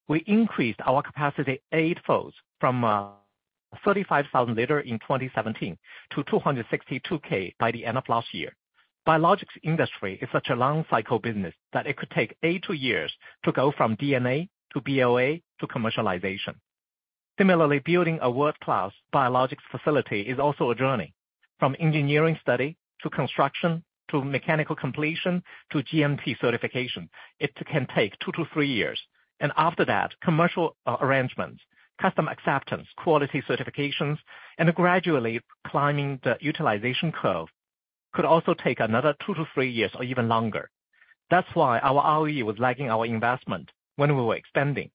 We increased our capacity eightfold from 35,000 liter in 2017 to 262K by the end of last year. The biologics industry is such a long cycle business that it could take 8 to years to go from DNA to BLA to commercialization. Similarly, building a world-class biologics facility is also a journey. From engineering study to construction to mechanical completion to GMP certification, it can take 2 to 3 years. After that, commercial arrangements, custom acceptance, quality certifications, and gradually climbing the utilization curve could also take another 2 to 3 years or even longer. That's why our ROE was lagging our investment when we were expanding.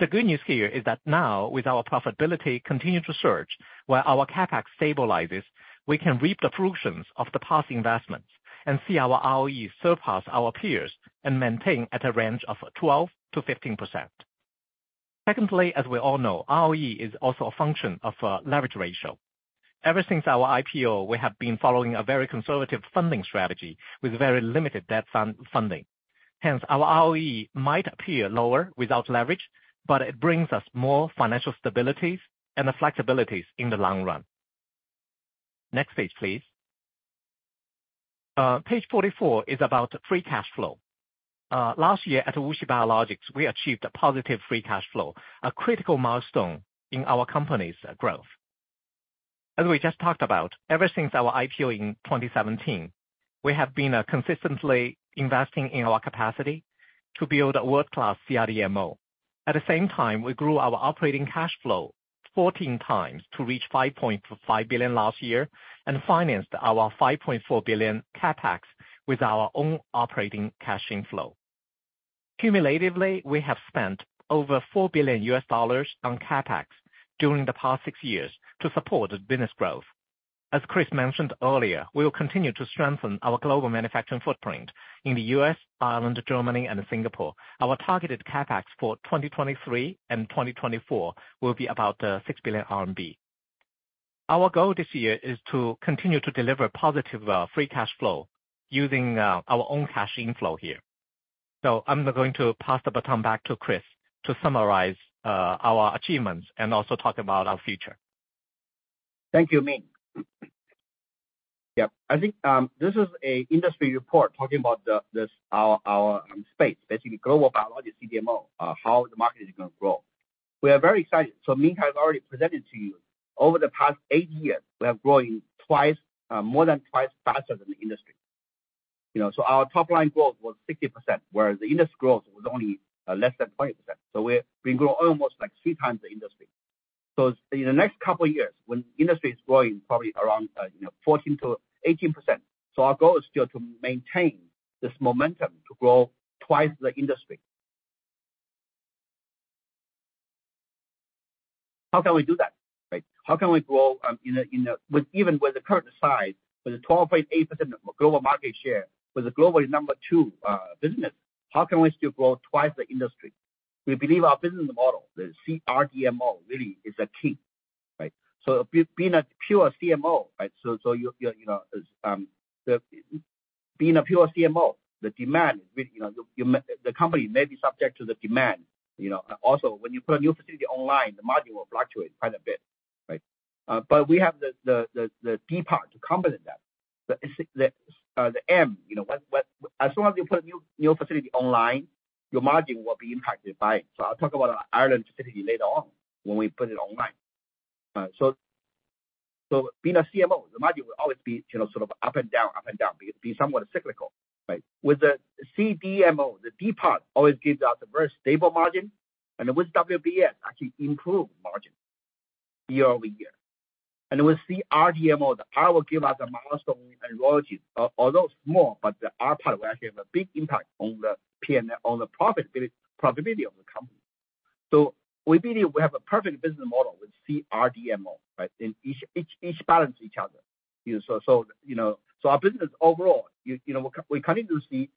The good news here is that now with our profitability continuing to surge, while our CapEx stabilizes, we can reap the fruitions of the past investments and see our ROE surpass our peers and maintain at a range of 12% to 15%. Secondly, as we all know, ROE is also a function of a leverage ratio. Ever since our IPO, we have been following a very conservative funding strategy with very limited debt funding. Hence, our ROE might appear lower without leverage, but it brings us more financial stabilities and flexibilities in the long run. Next page, please. Page 44 is about free cash flow. Last year at WuXi Biologics, we achieved a positive free cash flow, a critical milestone in our company's growth. As we just talked about, ever since our IPO in 2017, we have been consistently investing in our capacity to build a world-class CRDMO. At the same time, we grew our operating cash flow 14 times to reach $5.5 billion last year and financed our $5.4 billion CapEx with our own operating cash flow. Cumulatively, we have spent over $4 billion on CapEx during the past 6 years to support the business growth. As Chris mentioned earlier, we will continue to strengthen our global manufacturing footprint in the US, Ireland, Germany, and Singapore. Our targeted CapEx for 2023 and 2024 will be about 6 billion RMB. Our goal this year is to continue to deliver positive free cash flow using our own cash inflow here. I'm going to pass the baton back to Chris to summarize our achievements and also talk about our future. Thank you, Min. Yeah, I think this is a industry report talking about this our space, basically global biologics CDMO, how the market is gonna grow. We are very excited. Min has already presented to you over the past eight years, we are growing twice, more than twice faster than the industry. You know, our top line growth was 60%, whereas the industry growth was only less than 20%, we grow almost like three times the industry. In the next couple of years, when industry is growing probably around, you know, 14% to 18%, our goal is still to maintain this momentum to grow twice the industry. How can we do that, right? How can we grow, even with the current size, with a 12.8% global market share, with a global number two business, how can we still grow twice the industry? We believe our business model, the CRDMO really is a key, right? You know, being a pure CMO, right? You know, being a pure CMO, the demand is really, you know, the company may be subject to the demand, you know. When you put a new facility online, the margin will fluctuate quite a bit, right? We have the D part to complement that. The M, you know, as soon as you put a new facility online, your margin will be impacted by it. I'll talk about our Ireland facility later on when we put it online. Being a CMO, the margin will always be, you know, sort of up and down, up and down, be somewhat cyclical, right. With the CDMO, the D part always gives us a very stable margin, and with WBS actually improve margin year-over-year. We see RDMO, the R will give us a milestone in oncology. Although small, but the R part will actually have a big impact on the P and on the profitability of the company. We believe we have a perfect business model with CRDMO, right. Each balance each other. You know, so our business overall, we're coming to see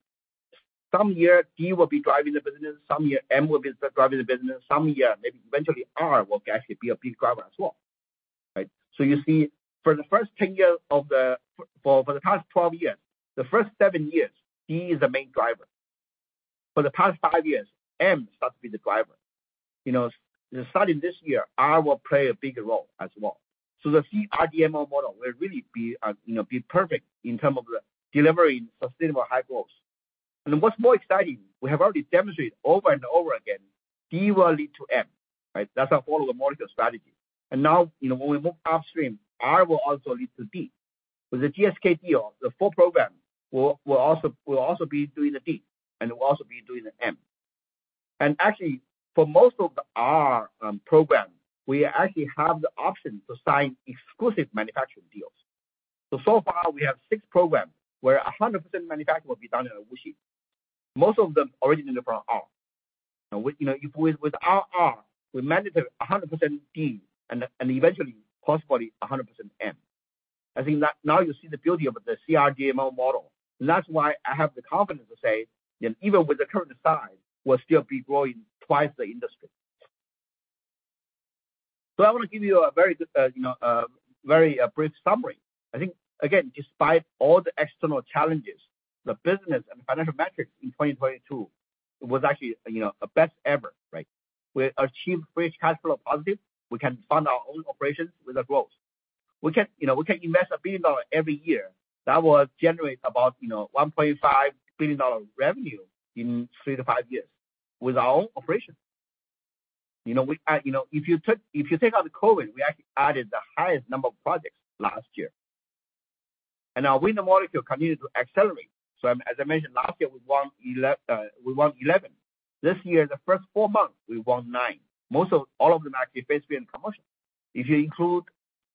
some year D will be driving the business, some year M will be driving the business, some year maybe eventually R will actually be a big driver as well, right? You see for the first 10 years of the past 12 years, the first 7 years, D is the main driver. For the past 5 years, M starts to be the driver. You know, starting this year, R will play a bigger role as well. The CRDMO model will really be, you know, be perfect in term of the delivering sustainable high growth. What's more exciting, we have already demonstrated over and over again, D will lead to M, right? That's our follow the molecule strategy. Now, you know, when we move upstream, R will also lead to D. With the GSK deal, the full program will also be doing the D and will also be doing the M. Actually, for most of the R program, we actually have the option to sign exclusive manufacturing deals. So far we have six programs where 100% manufacture will be done in WuXi. Most of them originally from R. You know, with our R, we manufacture 100% D and eventually possibly 100% M. I think now you see the beauty of the CRDMO model. That's why I have the confidence to say, you know, even with the current size, we'll still be growing twice the industry. I want to give you a very good, you know, very brief summary. I think again, despite all the external challenges, the business and financial metrics in 2022 was actually, you know, a best ever, right? We achieved free cash flow positive. We can fund our own operations with our growth. We can, you know, we can invest $1 billion every year. That will generate about, you know, $1.5 billion revenue in 3 to 5 years with our own operations. You know, you know, if you take out the COVID, we actually added the highest number of projects last year. Our win the molecule continued to accelerate. As I mentioned, last year, we won 11. This year, the first four months, we won 9. Most of all of them are actually basically in commercial. If you include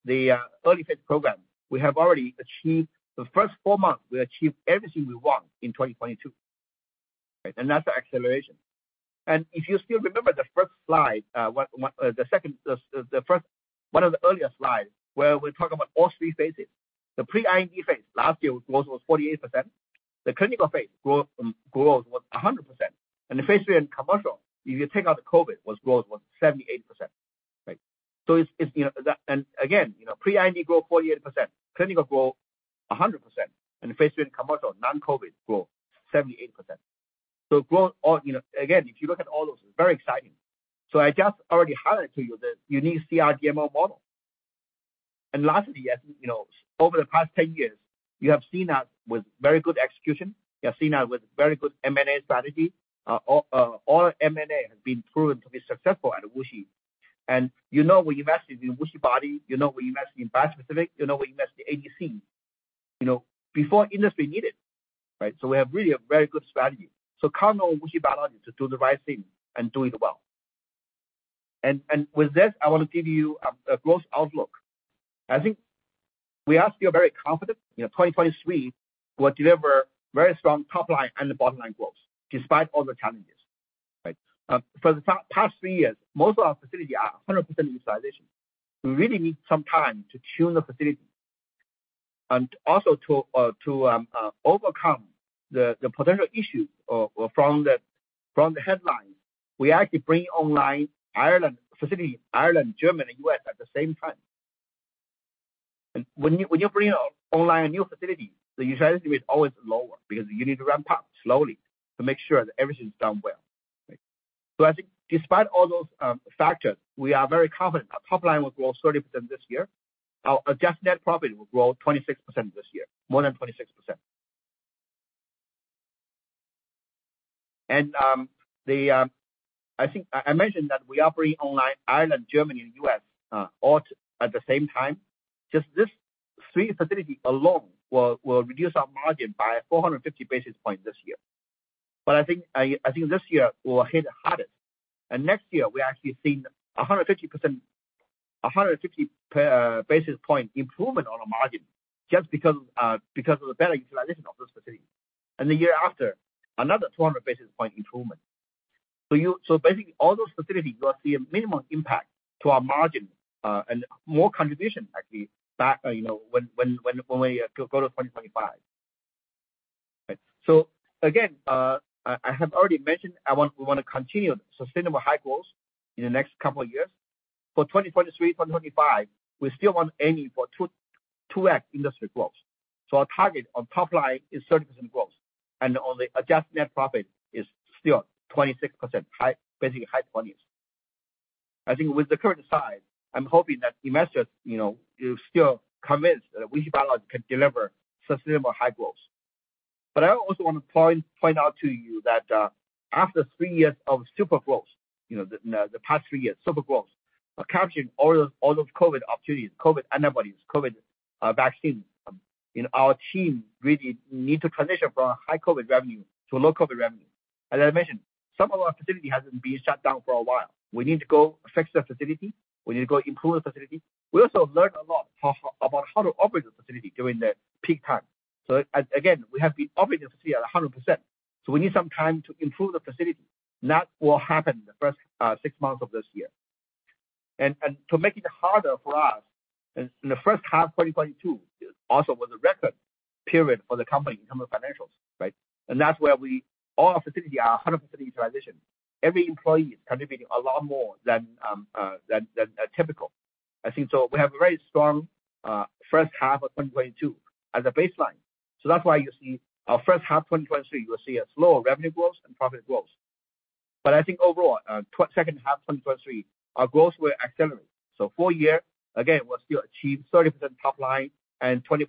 the early phase program, we have already achieved, the first 4 months, we achieved everything we won in 2022. That's the acceleration. If you still remember the first slide, one of the earlier slides where we talk about all 3 phases. The pre-IND phase, last year growth was 48%. The clinical phase growth was 100%. The phase 3 and commercial, if you take out the COVID, was 78%, right? It's, it's, you know... Again, you know, pre-IND grew 48%, clinical grew 100%, and phase 3 and commercial, non-COVID grew 78%. Growth all, you know, again, if you look at all those, it's very exciting. I just already highlighted to you the unique CRDMO model. Lastly, as you know, over the past 10 years, you have seen us with very good execution. You have seen us with very good M&A strategy. All M&A has been proven to be successful at WuXi. You know, we invested in WuXiBody, you know we invested in bispecific, you know we invested in ADC, you know, before industry need it, right? We have really a very good strategy. Count on WuXi Biologics to do the right thing and do it well. With this, I want to give you a growth outlook. I think we are still very confident, you know, 2023 will deliver very strong top line and bottom line growth despite all the challenges, right? For the past 3 years, most of our facility are 100% utilization. We really need some time to tune the facility and also to overcome the potential issues from the headlines. We actually bring online Ireland facility, Ireland, Germany, US at the same time. When you bring online a new facility, the utilization is always lower because you need to ramp up slowly to make sure that everything's done well, right? I think despite all those factors, we are very confident our top line will grow 30% this year. Our adjusted net profit will grow 26% this year, more than 26%. I think I mentioned that we are bringing online Ireland, Germany, and US all at the same time. Just this 3 facility alone will reduce our margin by 450 basis points this year. I think this year will hit hardest. Next year we're actually seeing a 150 basis point improvement on the margin just because of the better utilization of those facilities. The year after, another 200 basis point improvement. Basically all those facilities, you will see a minimum impact to our margin, and more contribution actually back, you know, when we go to 2025. Again, I have already mentioned we wanna continue sustainable high growth in the next couple of years. For 2023 to 2025, we still want aiming for 2x industry growth. Our target on top line is 30% growth, and on the adjusted net profit is still 26% high, basically high 20s. I think with the current size, I'm hoping that investors, you know, you're still convinced that WuXi Biologics can deliver sustainable high growth. I also want to point out to you that after 3 years of super growth, you know, the past 3 years, super growth, capturing all those COVID opportunities, COVID antibodies, COVID vaccine, you know, our team really need to transition from high COVID revenue to low COVID revenue. As I mentioned, some of our facility hasn't been shut down for a while. We need to go fix the facility. We need to go improve the facility. We also learned a lot about how to operate the facility during the peak time. Again, we have been operating the facility at 100%, so we need some time to improve the facility. That will happen in the first 6 months of this year. To make it harder for us, in the first half of 2022 also was a record period for the company in terms of financials, right? That's where all our facility are 100% utilization. Every employee is contributing a lot more than typical. I think we have a very strong first half of 2022 as a baseline. That's why you see our first half 2023, you will see a slower revenue growth and profit growth. I think overall, second half 2023, our growth will accelerate. Full year, again, we'll still achieve 30% top line and 26%,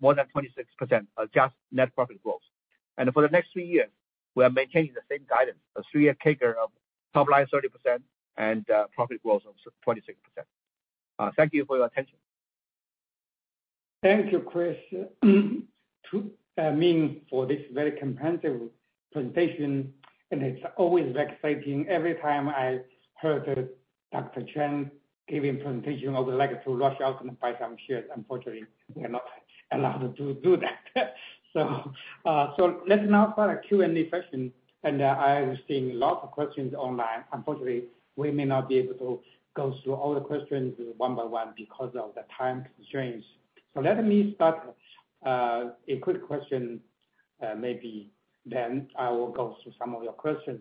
more than 26% adjusted net profit growth. For the next 3 years, we are maintaining the same guidance, a 3-year CAGR of top line 30% and profit growth of 26%. Thank you for your attention. Thank you, Chris. To... I mean For this very comprehensive presentation. It's always exciting every time I heard Dr. Chen giving presentation, I would like to rush out and buy some shares. Unfortunately, we are not allowed to do that. Let's now start a Q&A session. I've seen lots of questions online. Unfortunately, we may not be able to go through all the questions one by one because of the time constraints. Let me start a quick question, maybe, then I will go through some of your questions.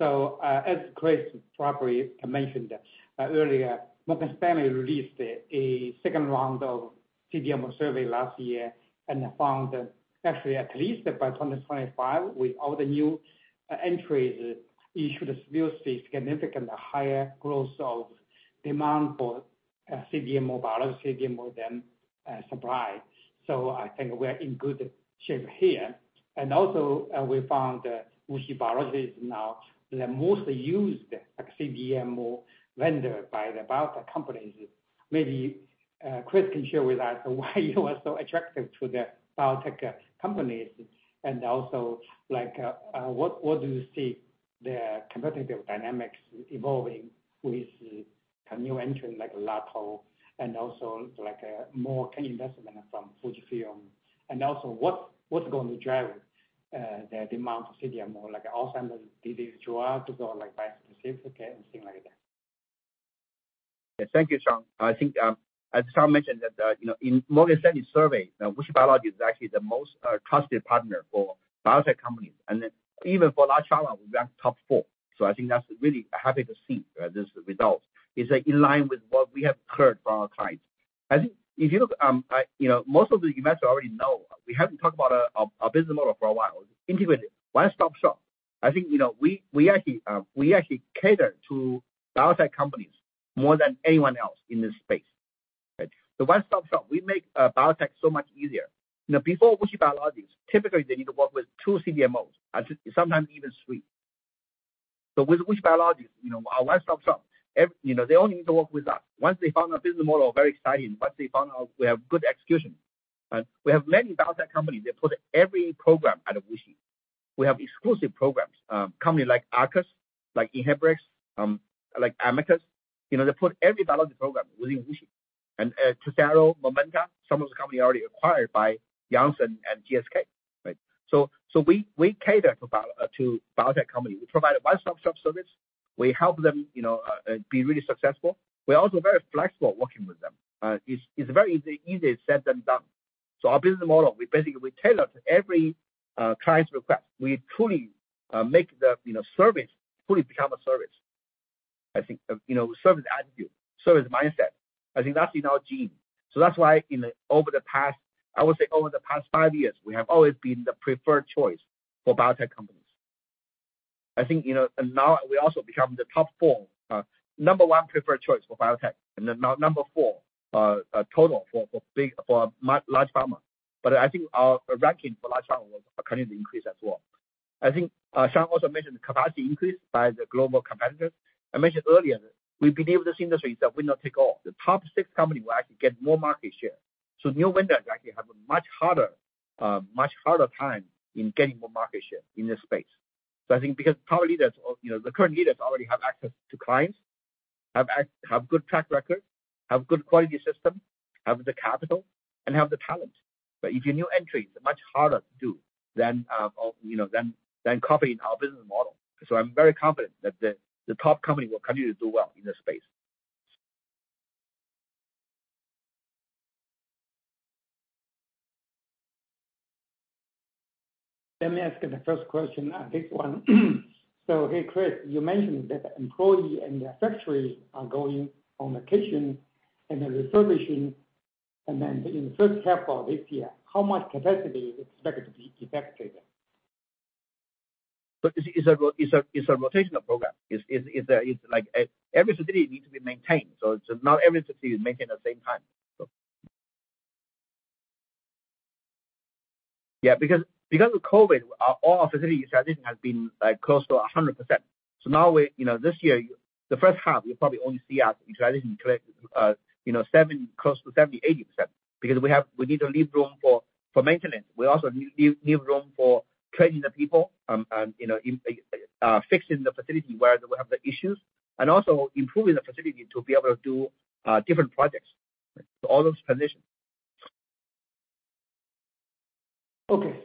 As Chris properly mentioned earlier, Morgan Stanley released a second round of CDMO survey last year and found that actually at least by 2025, with all the new entries issued, we'll see significant higher growth of demand for CDMO biologics, CDMO than supply. I think we're in good shape here. Also, we found that WuXi Biologics is now the most used CDMO vendor by the biotech companies. Maybe, Chris can share with us why you are so attractive to the biotech companies and also like, what do you see the competitive dynamics evolving with a new entry like Lotte Biologics and also like a more investment from Fujifilm. Also what's going to drive the demand for CDMO, like Alzheimer's, DDR to go like bispecific and things like that. Thank you, Sean. I think, as Sean mentioned that, you know, in Morgan Stanley survey, WuXi Biologics is actually the most trusted partner for biotech companies. Even for large pharma, we rank top four. I think that's really happy to see this result. It's in line with what we have heard from our clients. I think if you look, you know, most of the investors already know we haven't talked about our business model for a while, integrated one stop shop. I think, you know, we actually cater to biotech companies more than anyone else in this space. The one stop shop, we make biotech so much easier. You know, before WuXi Biologics, typically they need to work with two CDMOs, and sometimes even three. With WuXi Biologics, you know, our one stop shop, you know, they only need to work with us. Once they found our business model, very exciting, once they found out we have good execution, right? We have many biotech companies that put every program out of WuXi. We have exclusive programs, company like Arcus, like Inhibrx, like Amicus, you know, they put every biology program within WuXi. Tesaro, Momenta, some of the company already acquired by Janssen and GSK, right? We cater to biotech company. We provide a one stop shop service. We help them, you know, be really successful. We're also very flexible working with them. It's very easy set them up. Our business model, we basically, we tailor to every client's request. We truly make the, you know, service truly become a service. I think, you know, service attitude, service mindset, I think that's in our gene. That's why over the past, I would say over the past 5 years, we have always been the preferred choice for biotech companies. I think, you know, and now we also become the top 4, number 1 preferred choice for biotech and then number 4, total for big, large pharma. I think our ranking for large pharma will continue to increase as well. I think, Sean also mentioned capacity increase by the global competitors. I mentioned earlier, we believe this industry is a winner take all. The top 6 company will actually get more market share. New vendors actually have a much harder time in getting more market share in this space. I think because power leaders, you know, the current leaders already have access to clients, have good track record, have good quality system, have the capital and have the talent. If you're new entry, it's much harder to do than, you know, than copying our business model. I'm very confident that the top company will continue to do well in this space. Let me ask the first question, I think one. Hey, Chris, you mentioned that employee in the factory are going on vacation and then refurbishing. In first half of this year, how much capacity is expected to be affected? It's a, it's a, it's a rotational program. It's like every facility needs to be maintained, so not every facility is maintained at the same time. Yeah, because of COVID, all our facilities utilization has been like close to 100%. Now we, you know, this year, the first half, you'll probably only see our utilization collect, you know, close to 70%, 80%, because we need to leave room for maintenance. We also need to leave room for training the people, you know, in fixing the facility where we have the issues, and also improving the facility to be able to do different projects. All those positions. Okay.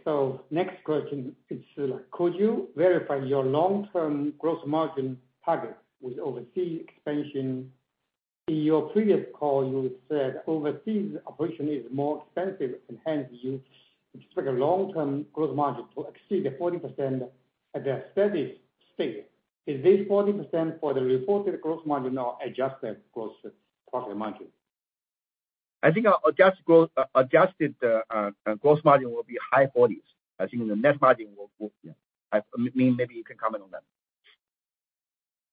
Next question is, could you verify your long-term gross margin target with overseas expansion? In your previous call, you said overseas operation is more expensive, and hence you expect a long-term gross margin to exceed the 40% at a steady state. Is this 40% for the reported gross margin or adjusted gross profit margin? I think our adjusted gross margin will be high 40s%. I think the net margin will boost. Yeah. Min, maybe you can comment on that.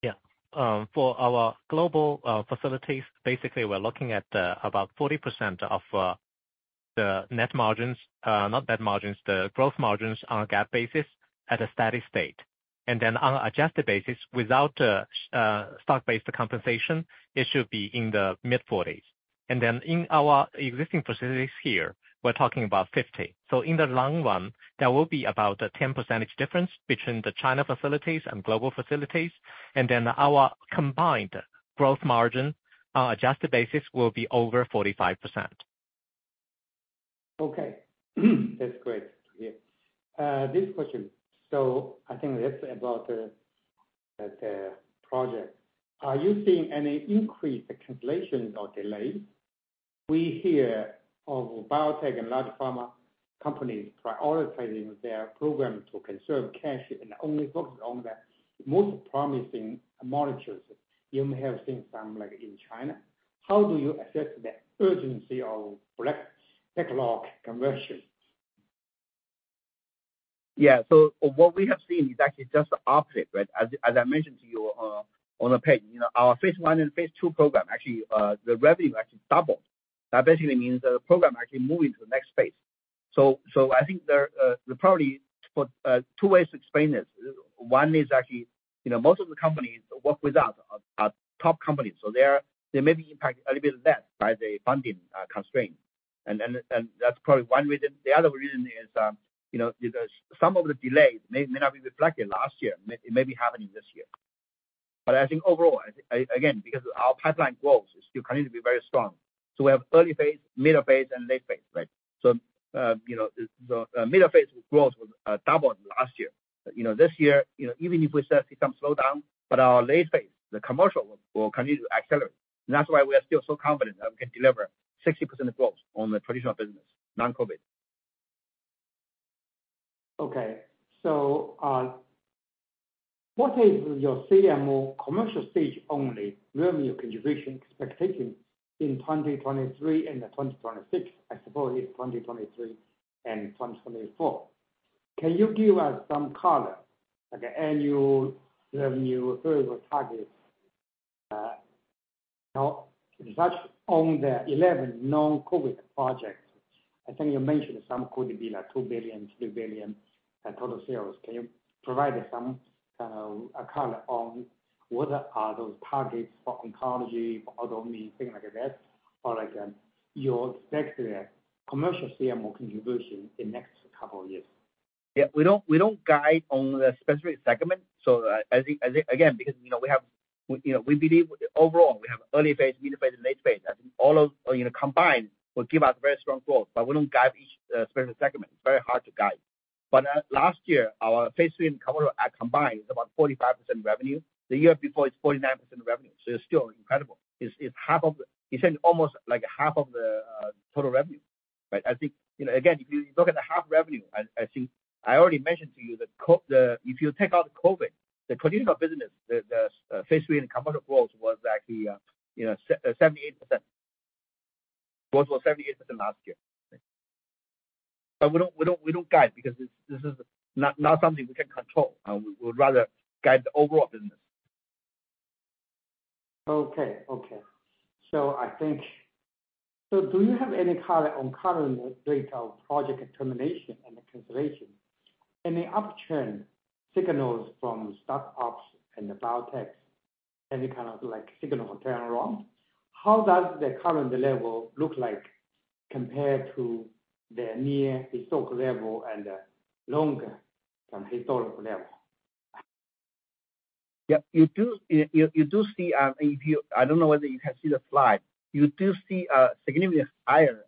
Yeah. For our global facilities, basically we're looking at about 40% of the net margins. Not net margins, the growth margins on a GAAP basis at a steady state. On an adjusted basis without stock-based compensation, it should be in the mid-40s. In our existing facilities here, we're talking about 50. So in the long run, there will be about a 10 percentage difference between the China facilities and global facilities. Our combined growth margin on adjusted basis will be over 45%. Okay. That's great to hear. This question. I think that's about the project. Are you seeing any increase in cancellations or delays? We hear of biotech and large pharma companies prioritizing their program to conserve cash and only focus on the most promising molecules. You may have seen some, like, in China. How do you assess the urgency of product backlog conversion? Yeah. What we have seen is actually just the opposite, right? As I mentioned to you, on the page, you know, our phase I and phase II program, actually, the revenue actually doubled. That basically means the program actually move into the next phase. I think there the priority for two ways to explain this. One is actually, you know, most of the companies work with us are top companies, so they're, they may be impacted a little bit less by the funding constraint. That's probably one reason. The other reason is, you know, because some of the delays may not be reflected last year. It may be happening this year. I think overall, again, because our pipeline growth is still continue to be very strong, we have early phase, middle phase, and late phase, right? You know, the middle phase growth was doubled last year. This year, even if we start to see some slowdown, but our late phase, the commercial will continue to accelerate. That's why we are still so confident that we can deliver 60% growth on the traditional business, non-COVID. Okay. What is your CMO commercial stage only revenue contribution expectation in 2023 and 2026, as opposed to 2023 and 2024? Can you give us some color like annual revenue growth targets? Now reflect on the 11 non-COVID projects. I think you mentioned some could be like $2 billion, $3 billion in total sales. Can you provide some color on what are those targets for oncology, for autoimmune, things like that? Like, you expect the commercial CMO contribution in next couple of years? Yeah. We don't guide on the specific segment. Because you know, we have, you know, we believe overall we have early phase, middle phase, and late phase. I think all of, you know, combined will give us very strong growth, we don't guide each specific segment. It's very hard to guide. Last year, our phase 3 and commercial combined is about 45% revenue. The year before it's 49% revenue. It's still incredible. It's almost like half of the total revenue. I think, you know, again, if you look at the half revenue, I think I already mentioned to you that if you take out the COVID, the traditional business, the phase 3 and commercial growth was actually, you know, 78%. Growth was 78% last year. We don't guide because this is not something we can control. We would rather guide the overall business. Okay. I think. Do you have any color on current rate of project termination and cancellation? Any upturn signals from start-ups and the biotech, any kind of like signal turn around? How does the current level look like compared to the near historical level and longer than historical level? Yeah. You do see. I don't know whether you can see the slide. You do see a significantly higher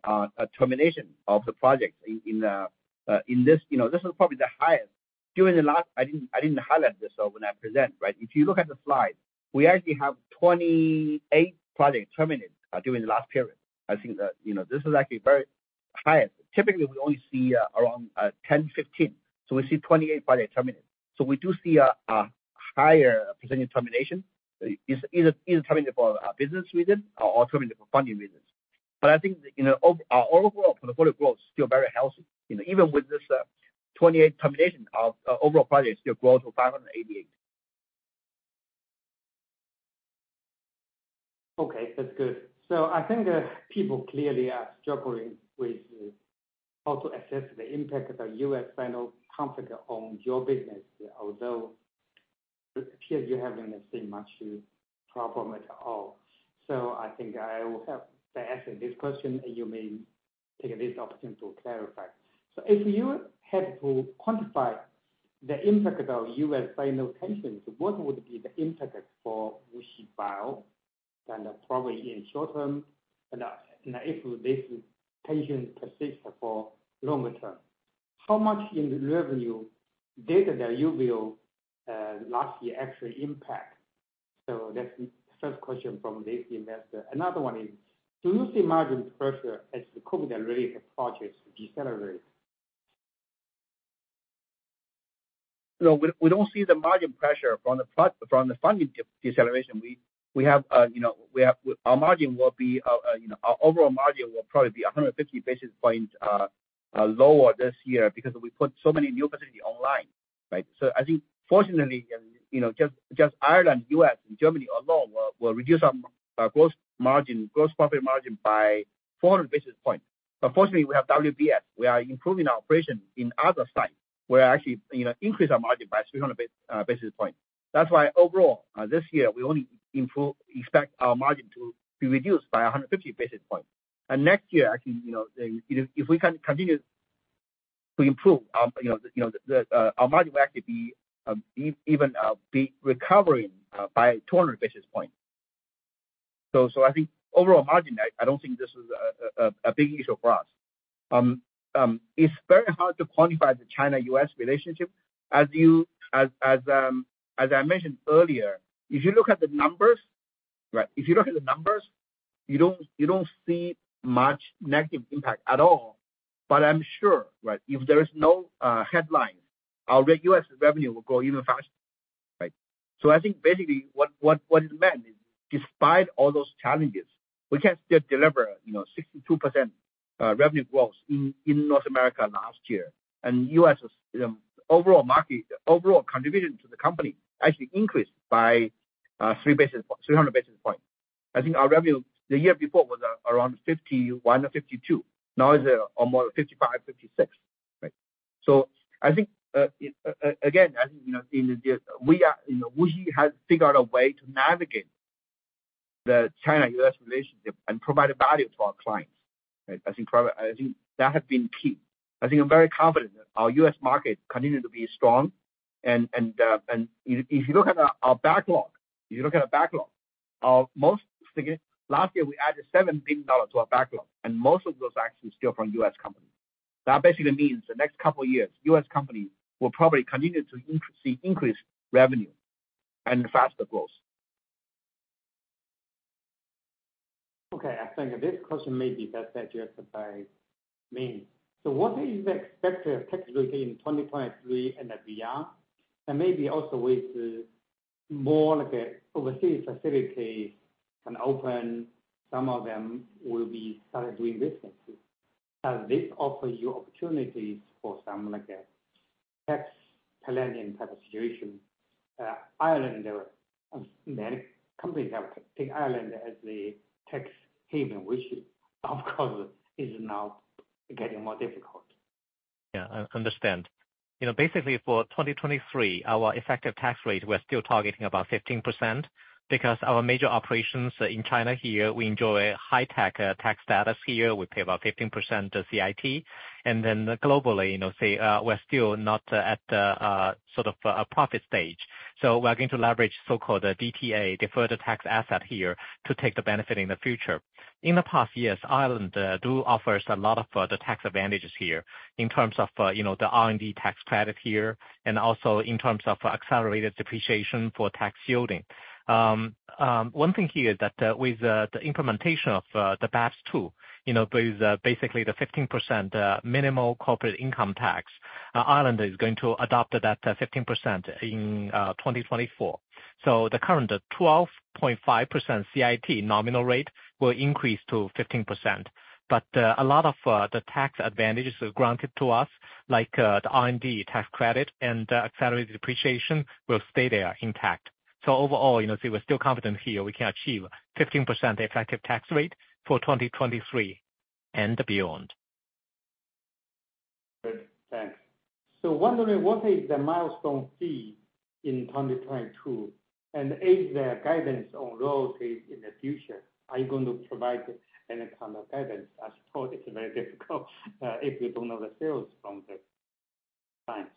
termination of the project in this. You know, this is probably the highest. I didn't highlight this so when I present, right? If you look at the slide, we actually have 28 projects terminated during the last period. I think that, you know, this is actually very high. Typically, we only see around 10, 15. We see 28 projects terminated. We do see a higher percentage termination. It's either terminated for business reasons or terminated for funding reasons. I think, you know, our overall portfolio growth is still very healthy. You know, even with this 28 termination, our overall projects still grow to 588. Okay, that's good. I think people clearly are struggling with how to assess the impact of the U.S.-Sino conflict on your business, although it appears you haven't seen much problem at all. I think I will have to ask you this question, and you may take this opportunity to clarify. If you had to quantify the impact of U.S.-Sino tensions, what would be the impact for WuXi Bio, kind of, probably in short term? If this tension persists for longer term, how much in revenue data that you will, last year actually impact? That's the first question from the investor. Another one is, do you see margin pressure as the COVID-related projects decelerate? No, we don't see the margin pressure from the funding deceleration. We have, you know, our margin will be, you know, our overall margin will probably be 150 basis point lower this year because we put so many new facility online, right? I think fortunately, you know, just Ireland, US, and Germany alone will reduce our gross margin, gross profit margin by 400 basis points. Fortunately, we have WBS. We are improving our operation in other sites where actually, you know, increase our margin by 300 basis point. That's why overall, this year we only expect our margin to be reduced by 150 basis point. Next year, I think, you know, if we can continue to improve our, you know, our margin will actually be even recovering by 200 basis points. I think overall margin, I don't think this is a big issue for us. It's very hard to quantify the China-U.S. relationship. As I mentioned earlier, if you look at the numbers, right? If you look at the numbers, you don't see much negative impact at all. I'm sure, right, if there is no headline, our U.S. revenue will grow even faster, right? I think basically what it meant is despite all those challenges, we can still deliver, you know, 62% revenue growth in North America last year. U.S.'s, you know, overall market, overall contribution to the company actually increased by 300 basis points. I think our revenue the year before was around 51 or 52. Now, it's almost 55, 56, right? I think again, I think, you know, We are, you know, WuXi has figured out a way to navigate the China-U.S. relationship and provide a value to our clients, right? I think that has been key. I think I'm very confident that our U.S. market continue to be strong. If you look at our backlog, most significant, last year we added $7 billion to our backlog, and most of those are actually still from U.S. companies. That basically means the next couple years, U.S. companies will probably continue to see increased revenue and faster growth. Okay. I think this question may be best addressed by Min. What is expected technically in 2023 and beyond? Maybe also with more, like, overseas facilities can open, some of them will be started doing business. Does this offer you opportunities for some, like, tax planning type of situation? Ireland, many companies have take Ireland as the tax haven, which of course is now getting more difficult. Yeah, I understand. You know, basically for 2023, our effective tax rate, we're still targeting about 15% because our major operations in China here, we enjoy high tech tax status here. We pay about 15% CIT. Globally, you know, say, we're still not at the sort of a profit stage. We're going to leverage so-called DTA, Deferred Tax Asset here, to take the benefit in the future. In the past years, Ireland do offer us a lot of the tax advantages here in terms of, you know, the R&D tax credit here, and also in terms of accelerated depreciation for tax shielding. One thing here that with the implementation of the Pillar Two, you know, with basically the 15% minimal corporate income tax, Ireland is going to adopt that 15% in 2024. The current 12.5% CIT nominal rate will increase to 15%. A lot of the tax advantages granted to us, like the R&D tax credit and accelerated depreciation will stay there intact. Overall, you know, we're still confident here we can achieve 15% effective tax rate for 2023 and beyond. Good. Thanks. Wondering, what is the milestone fee in 2022? Is there guidance on royalties in the future? Are you going to provide any kind of guidance? I suppose it's very difficult, if you don't know the sales from the clients.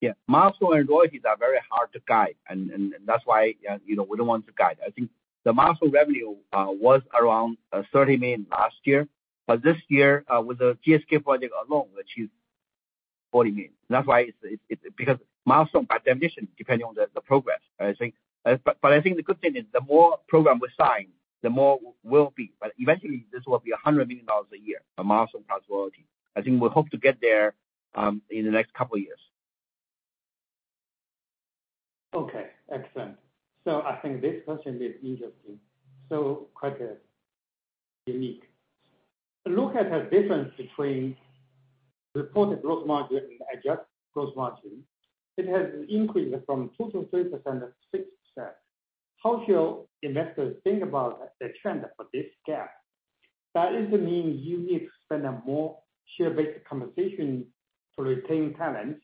Yeah. Milestone royalties are very hard to guide, and that's why you know, we don't want to guide. I think the milestone revenue was around $30 million last year. This year, with the GSK project alone, we achieved $40 million. That's why it's. Because milestone, by definition, depending on the progress, I think. I think the good thing is the more program we sign, the more will be. Eventually, this will be $100 million a year, the milestone possibility. I think we hope to get there in the next couple years. Excellent. I think this question is interesting. Quite unique. Look at the difference between reported gross margin and adjusted gross margin. It has increased from 2%-3% to 6%. How should investors think about the trend for this gap? That is the mean you need to spend more share-based compensation to retain talents,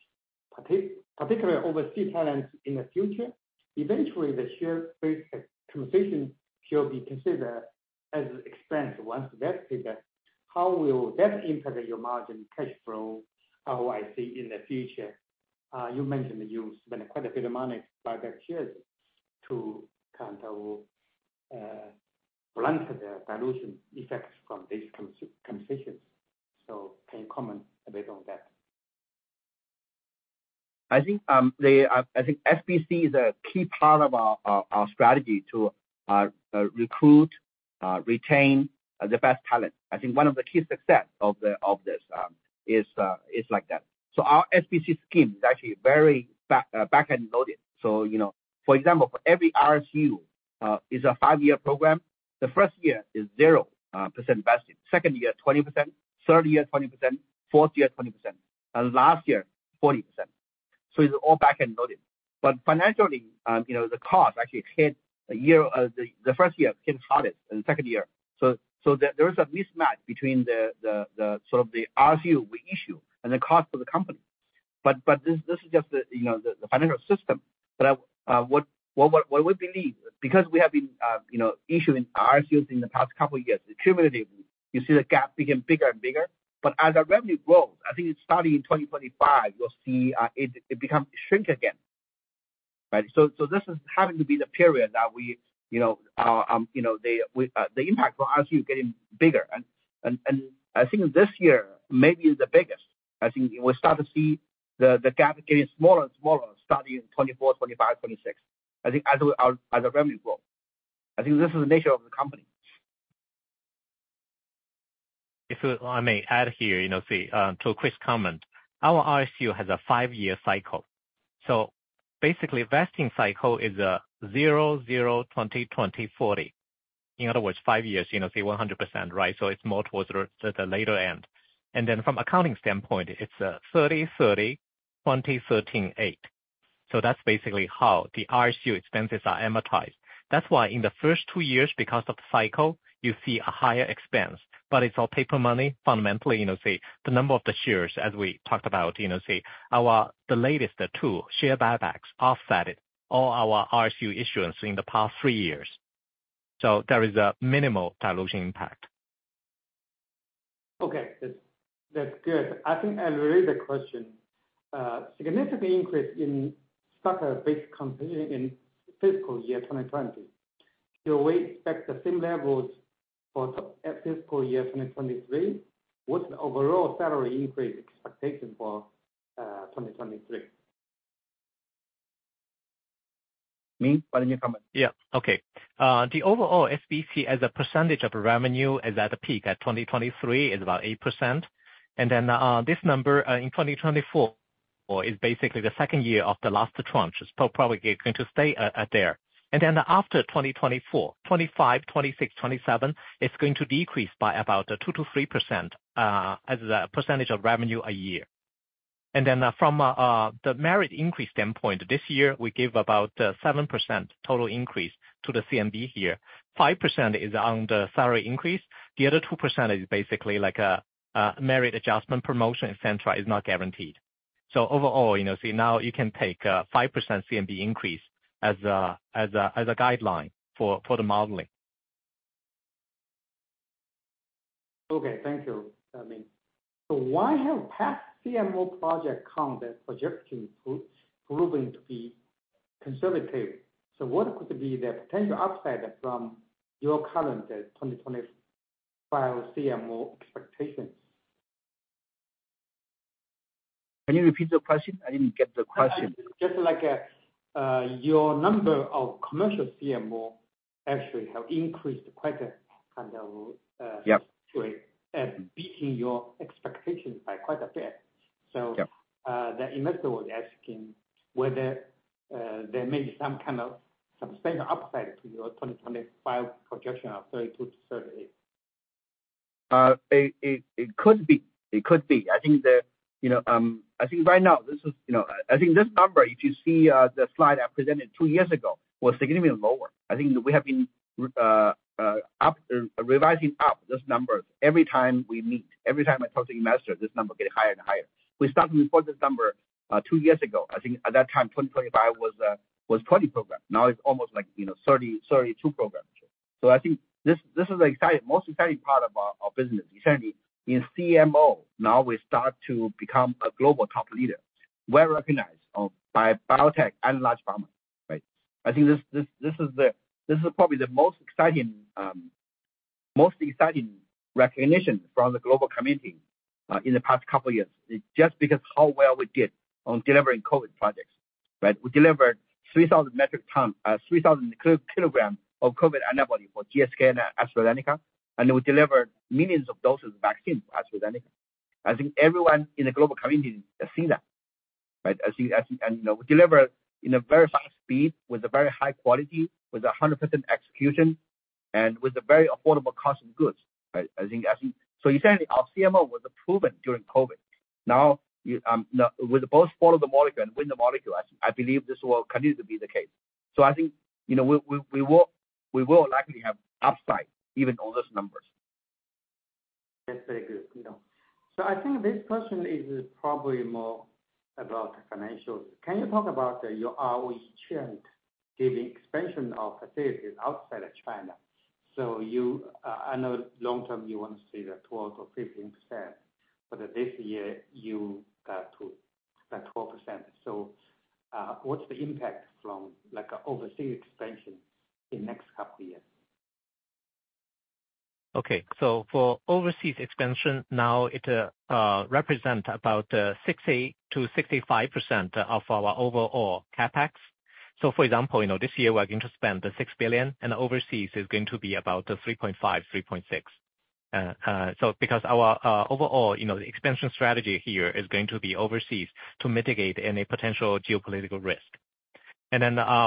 particular overseas talents in the future. Eventually, the share-based compensation should be considered as an expense once vested. How will that impact your margin cash flow, how I see in the future? You mentioned that you spend quite a bit of money by the shares to kind of blunt the dilution effects from these compensations. Can you comment a bit on that? I think SBC is a key part of our strategy to recruit, retain the best talent. I think one of the key success of this is like that. Our SBC scheme is actually very backend loaded. You know, for example, for every RSU, is a 5-year program. The first year is 0% vested. Second year, 20%, third year, 20%, fourth year, 20%, and last year, 40%. It's all backend loaded. Financially, you know, the cost actually hit a year, the first year hit hardest and the second year. There is a mismatch between the sort of the RSU we issue and the cost for the company. This is just the, you know, the financial system. What we believe, because we have been, you know, issuing RSUs in the past couple of years, cumulatively, you see the gap become bigger and bigger. As our revenue grows, I think it's starting in 2025, you'll see it become shrink again. Right? This is having to be the period that we, you know, you know, the, we, the impact of RSU getting bigger. I think this year maybe is the biggest. I think we'll start to see the gap getting smaller and smaller, starting in 2024, 2025, 2026. I think as our revenue grow. I think this is the nature of the company. If I may add here, you know, say, to Chris' comment, our RSU has a 5-year cycle. Basically, vesting cycle is 0, 20, 40. In other words, 5 years, you know, say 100%, right? It's more towards the later end. From accounting standpoint, it's 30, 20, 13, 8. That's basically how the RSU expenses are amortized. That's why in the first 2 years, because of the cycle, you see a higher expense, but it's all paper money. Fundamentally, you know, say the number of the shares as we talked about, you know, say our, the latest 2 share buybacks offset it, all our RSU issuance in the past 3 years. There is a minimal dilution impact. Okay. That's good. I think I'll read the question. Significant increase in stock-based compensation in fiscal year 2020. Do you expect the same levels for fiscal year 2023? What's the overall salary increase expectation for 2023? Min, why don't you comment? Yeah. Okay. The overall SBC as a percentage of revenue is at a peak at 2023 is about 8%. This number in 2024 is basically the second year of the last tranche. It's probably going to stay at there. After 2024, 2025, 2026, 2027, it's going to decrease by about 2% to 3% as a percentage of revenue a year. From the merit increase standpoint, this year we gave about 7% total increase to the COGS here. 5% is on the salary increase. The other 2% is basically like a merit adjustment promotion, et cetera, is not guaranteed. Overall, you know, say now you can take 5% COGS increase as a guideline for the modeling. Okay. Thank you, Min. Why have past CMO project count that projection proving to be conservative? What could be the potential upside from your current 2025 CMO expectations? Can you repeat the question? I didn't get the question. Just like, your number of commercial CMO actually have increased quite a kind of. Yeah. -way and beating your expectations by quite a bit. Yeah. The investor was asking whether there may be some kind of substantial upside to your 2025 projection of 32 to 38. It could be. It could be. I think, you know, I think right now this is, you know, I think this number, if you see the slide I presented 2 years ago, was significantly lower. I think we have been revising up this number every time we meet. Every time I talk to investor, this number get higher and higher. We started to report this number 2 years ago. I think at that time, 2025 was 20 programs. Now it's almost like, you know, 30, 32 programs. I think this is the exciting, most exciting part about our business. Certainly in CMO, now we start to become a global top leader. We're recognized by biotech and large pharma, right? I think this is probably the most exciting recognition from the global community in the past couple of years. Just because how well we did on delivering COVID projects, right? We delivered 3,000 metric ton, 3,000 kilograms of COVID antibody for GSK and AstraZeneca. We delivered millions of doses of vaccine to AstraZeneca. I think everyone in the global community has seen that. Right. As you know, we deliver in a very fast speed with a very high quality, with 100% execution and with a very affordable cost of goods, right? I think essentially, our CMO was proven during COVID. Now with both form of the molecule and when the molecule, I believe this will continue to be the case. I think, you know, we will likely have upside even on those numbers. That's very good. You know. I think this question is probably more about financials. Can you talk about your ROE trend giving expansion of facilities outside of China? You, I know long term you want to see the 12% or 15%, but this year you got to that 12%. What's the impact from like overseas expansion in next couple of years? Okay. For overseas expansion, now it represent about 60% to 65% of our overall CapEx. For example, you know, this year we're going to spend $6 billion, and overseas is going to be about $3.5 to 3.6 billion. Because our overall, you know, the expansion strategy here is going to be overseas to mitigate any potential geopolitical risk.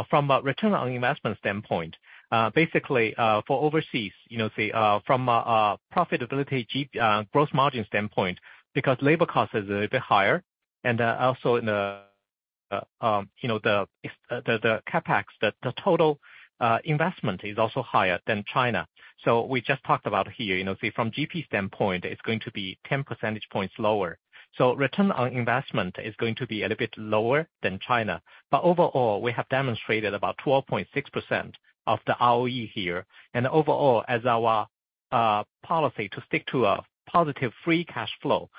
From a return on investment standpoint, basically, for overseas, you know, say, from profitability GP, gross margin standpoint, because labor cost is a bit higher and also in the, you know, the CapEx, the total investment is also higher than China. We just talked about here, you know, say from GP standpoint, it's going to be 10 percentage points lower. Return on investment is going to be a little bit lower than China. Overall, we have demonstrated about 12.6% of the ROE here. Overall, as our policy to stick to a positive free cash flow.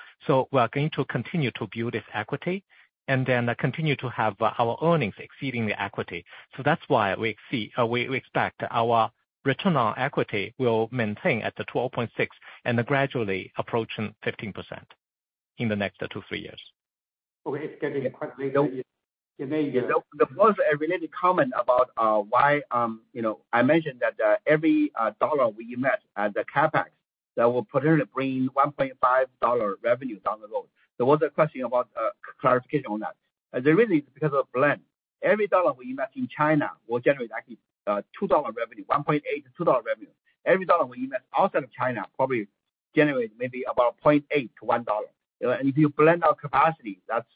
We are going to continue to build this equity and then continue to have our earnings exceeding the equity. That's why we expect our return on equity will maintain at the 12.6 and gradually approaching 15% in the next 2, 3 years. Okay. It's getting quite late. There was a related comment about why, you know, I mentioned that every dollar we invest at the CapEx, that will potentially bring $1.5 revenue down the road. There was a question about clarification on that. The reason is because of blend. Every dollar we invest in China will generate actually $2 revenue, $1.8 to $2 revenue. Every dollar we invest outside of China probably generate maybe about $0.8 to $1. If you blend our capacity, that's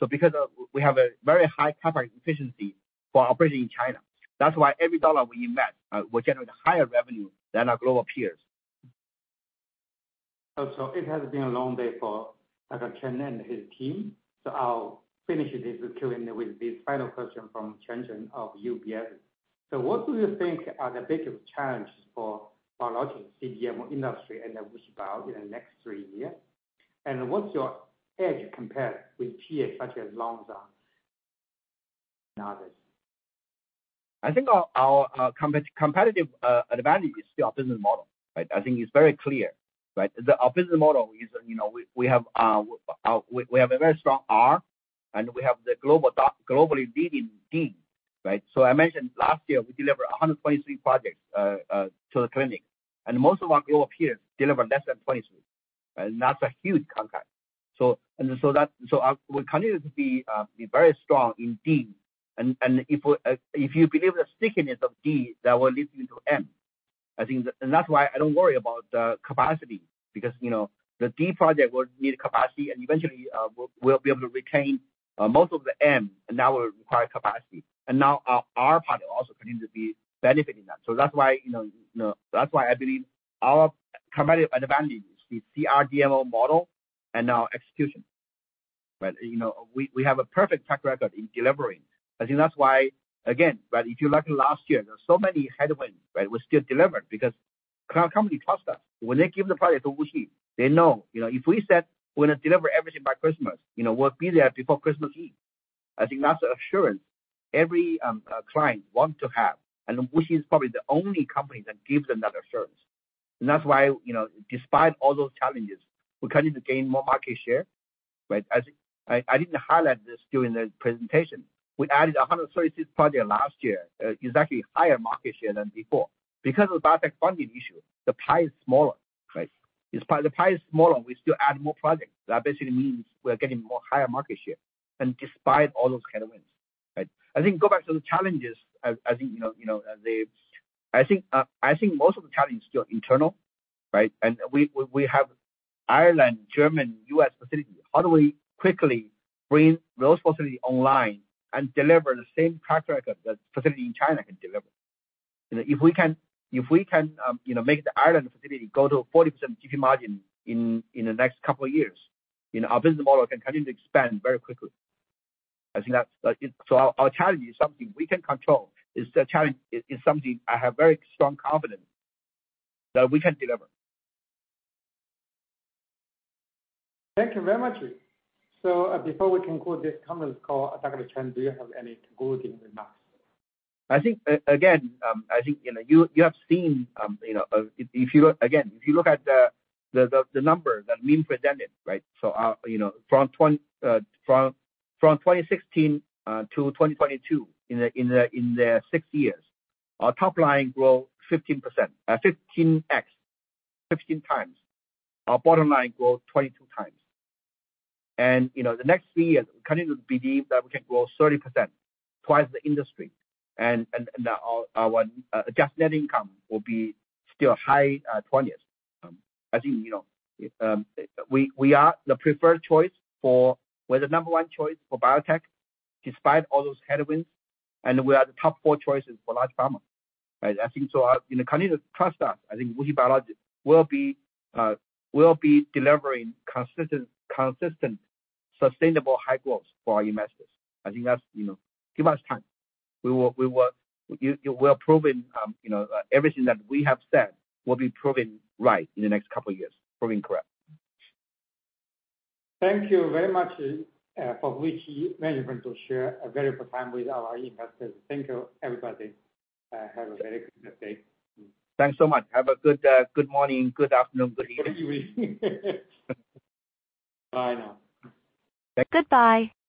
$1.5. That's why. Because of we have a very high capacity efficiency for operating in China, that's why every dollar we invest will generate higher revenue than our global peers. It has been a long day for Dr. Chen and his team, so I'll finish this Q&A with this final question from Zhen Chen of UBS. What do you think are the biggest challenges for biologics CDMO industry and WuXi Bio in the next 3 year? What's your edge compared with peers such as Lonza and others? I think our competitive advantage is still our business model, right. I think it's very clear, right. Our business model is, you know, we have a very strong R and we have the globally leading D, right. I mentioned last year we delivered 123 projects to the clinic, and most of our global peers deliver less than 23, and that's a huge contract. We continue to be very strong in D. If you believe the stickiness of D, that will lead you to M. I think. That's why I don't worry about the capacity because, you know, the D project will need capacity and eventually, we'll be able to retain most of the M and that will require capacity. Now our R partner also continue to be benefiting that. That's why, you know, that's why I believe our competitive advantage is the CRDMO model and our execution. You know, we have a perfect track record in delivering. I think that's why again, right, if you look last year, there were so many headwinds, right? We still delivered because our company trust us. When they give the product to WuXi, they know, you know, if we said we're gonna deliver everything by Christmas, you know, we'll be there before Christmas Eve. I think that's the assurance every client want to have. WuXi is probably the only company that gives them that assurance. That's why, you know, despite all those challenges, we're continuing to gain more market share, right? I didn't highlight this during the presentation. We added 136 projects last year, is actually higher market share than before. Because of the biotech funding issue, the pie is smaller, right? Despite the pie is smaller, we still add more projects. That basically means we're getting more higher market share and despite all those headwinds, right? I think go back to the challenges. I think, you know, most of the challenges are still internal, right? We have Ireland, Germany, U.S. facilities. How do we quickly bring those facilities online and deliver the same track record that facility in China can deliver? You know, if we can, you know, make the Ireland facility go to 40% GP margin in the next couple of years, you know, our business model can continue to expand very quickly.I think that's our challenge is something we can control. It's something I have very strong confidence that we can deliver. Thank you very much. Before we conclude this conference call, Dr. Chen, do you have any concluding remarks? I think again, I think, you know, you have seen, you know, Again, if you look at the numbers that Min presented, right? From 2016 to 2022, in the six years, our top line grow 15%, 15x, 15 times. Our bottom line grow 22 times. The next three years, we continue to believe that we can grow 30%, twice the industry. Our adjusted net income will be still high, twenties. I think we are the number one choice for biotech despite all those headwinds, and we are the top four choices for large pharma, right? I think so, you know, continue to trust us. I think WuXi Biologics will be delivering consistent, sustainable high growth for our investors. I think that's, you know, give us time. We will, you will proven, you know, everything that we have said will be proven right in the next couple of years, proven correct. Thank you very much, for WuXi management to share a very good time with our investors. Thank you, everybody. Have a very good day. Thanks so much. Have a good morning, good afternoon, good evening. Bye now. Goodbye.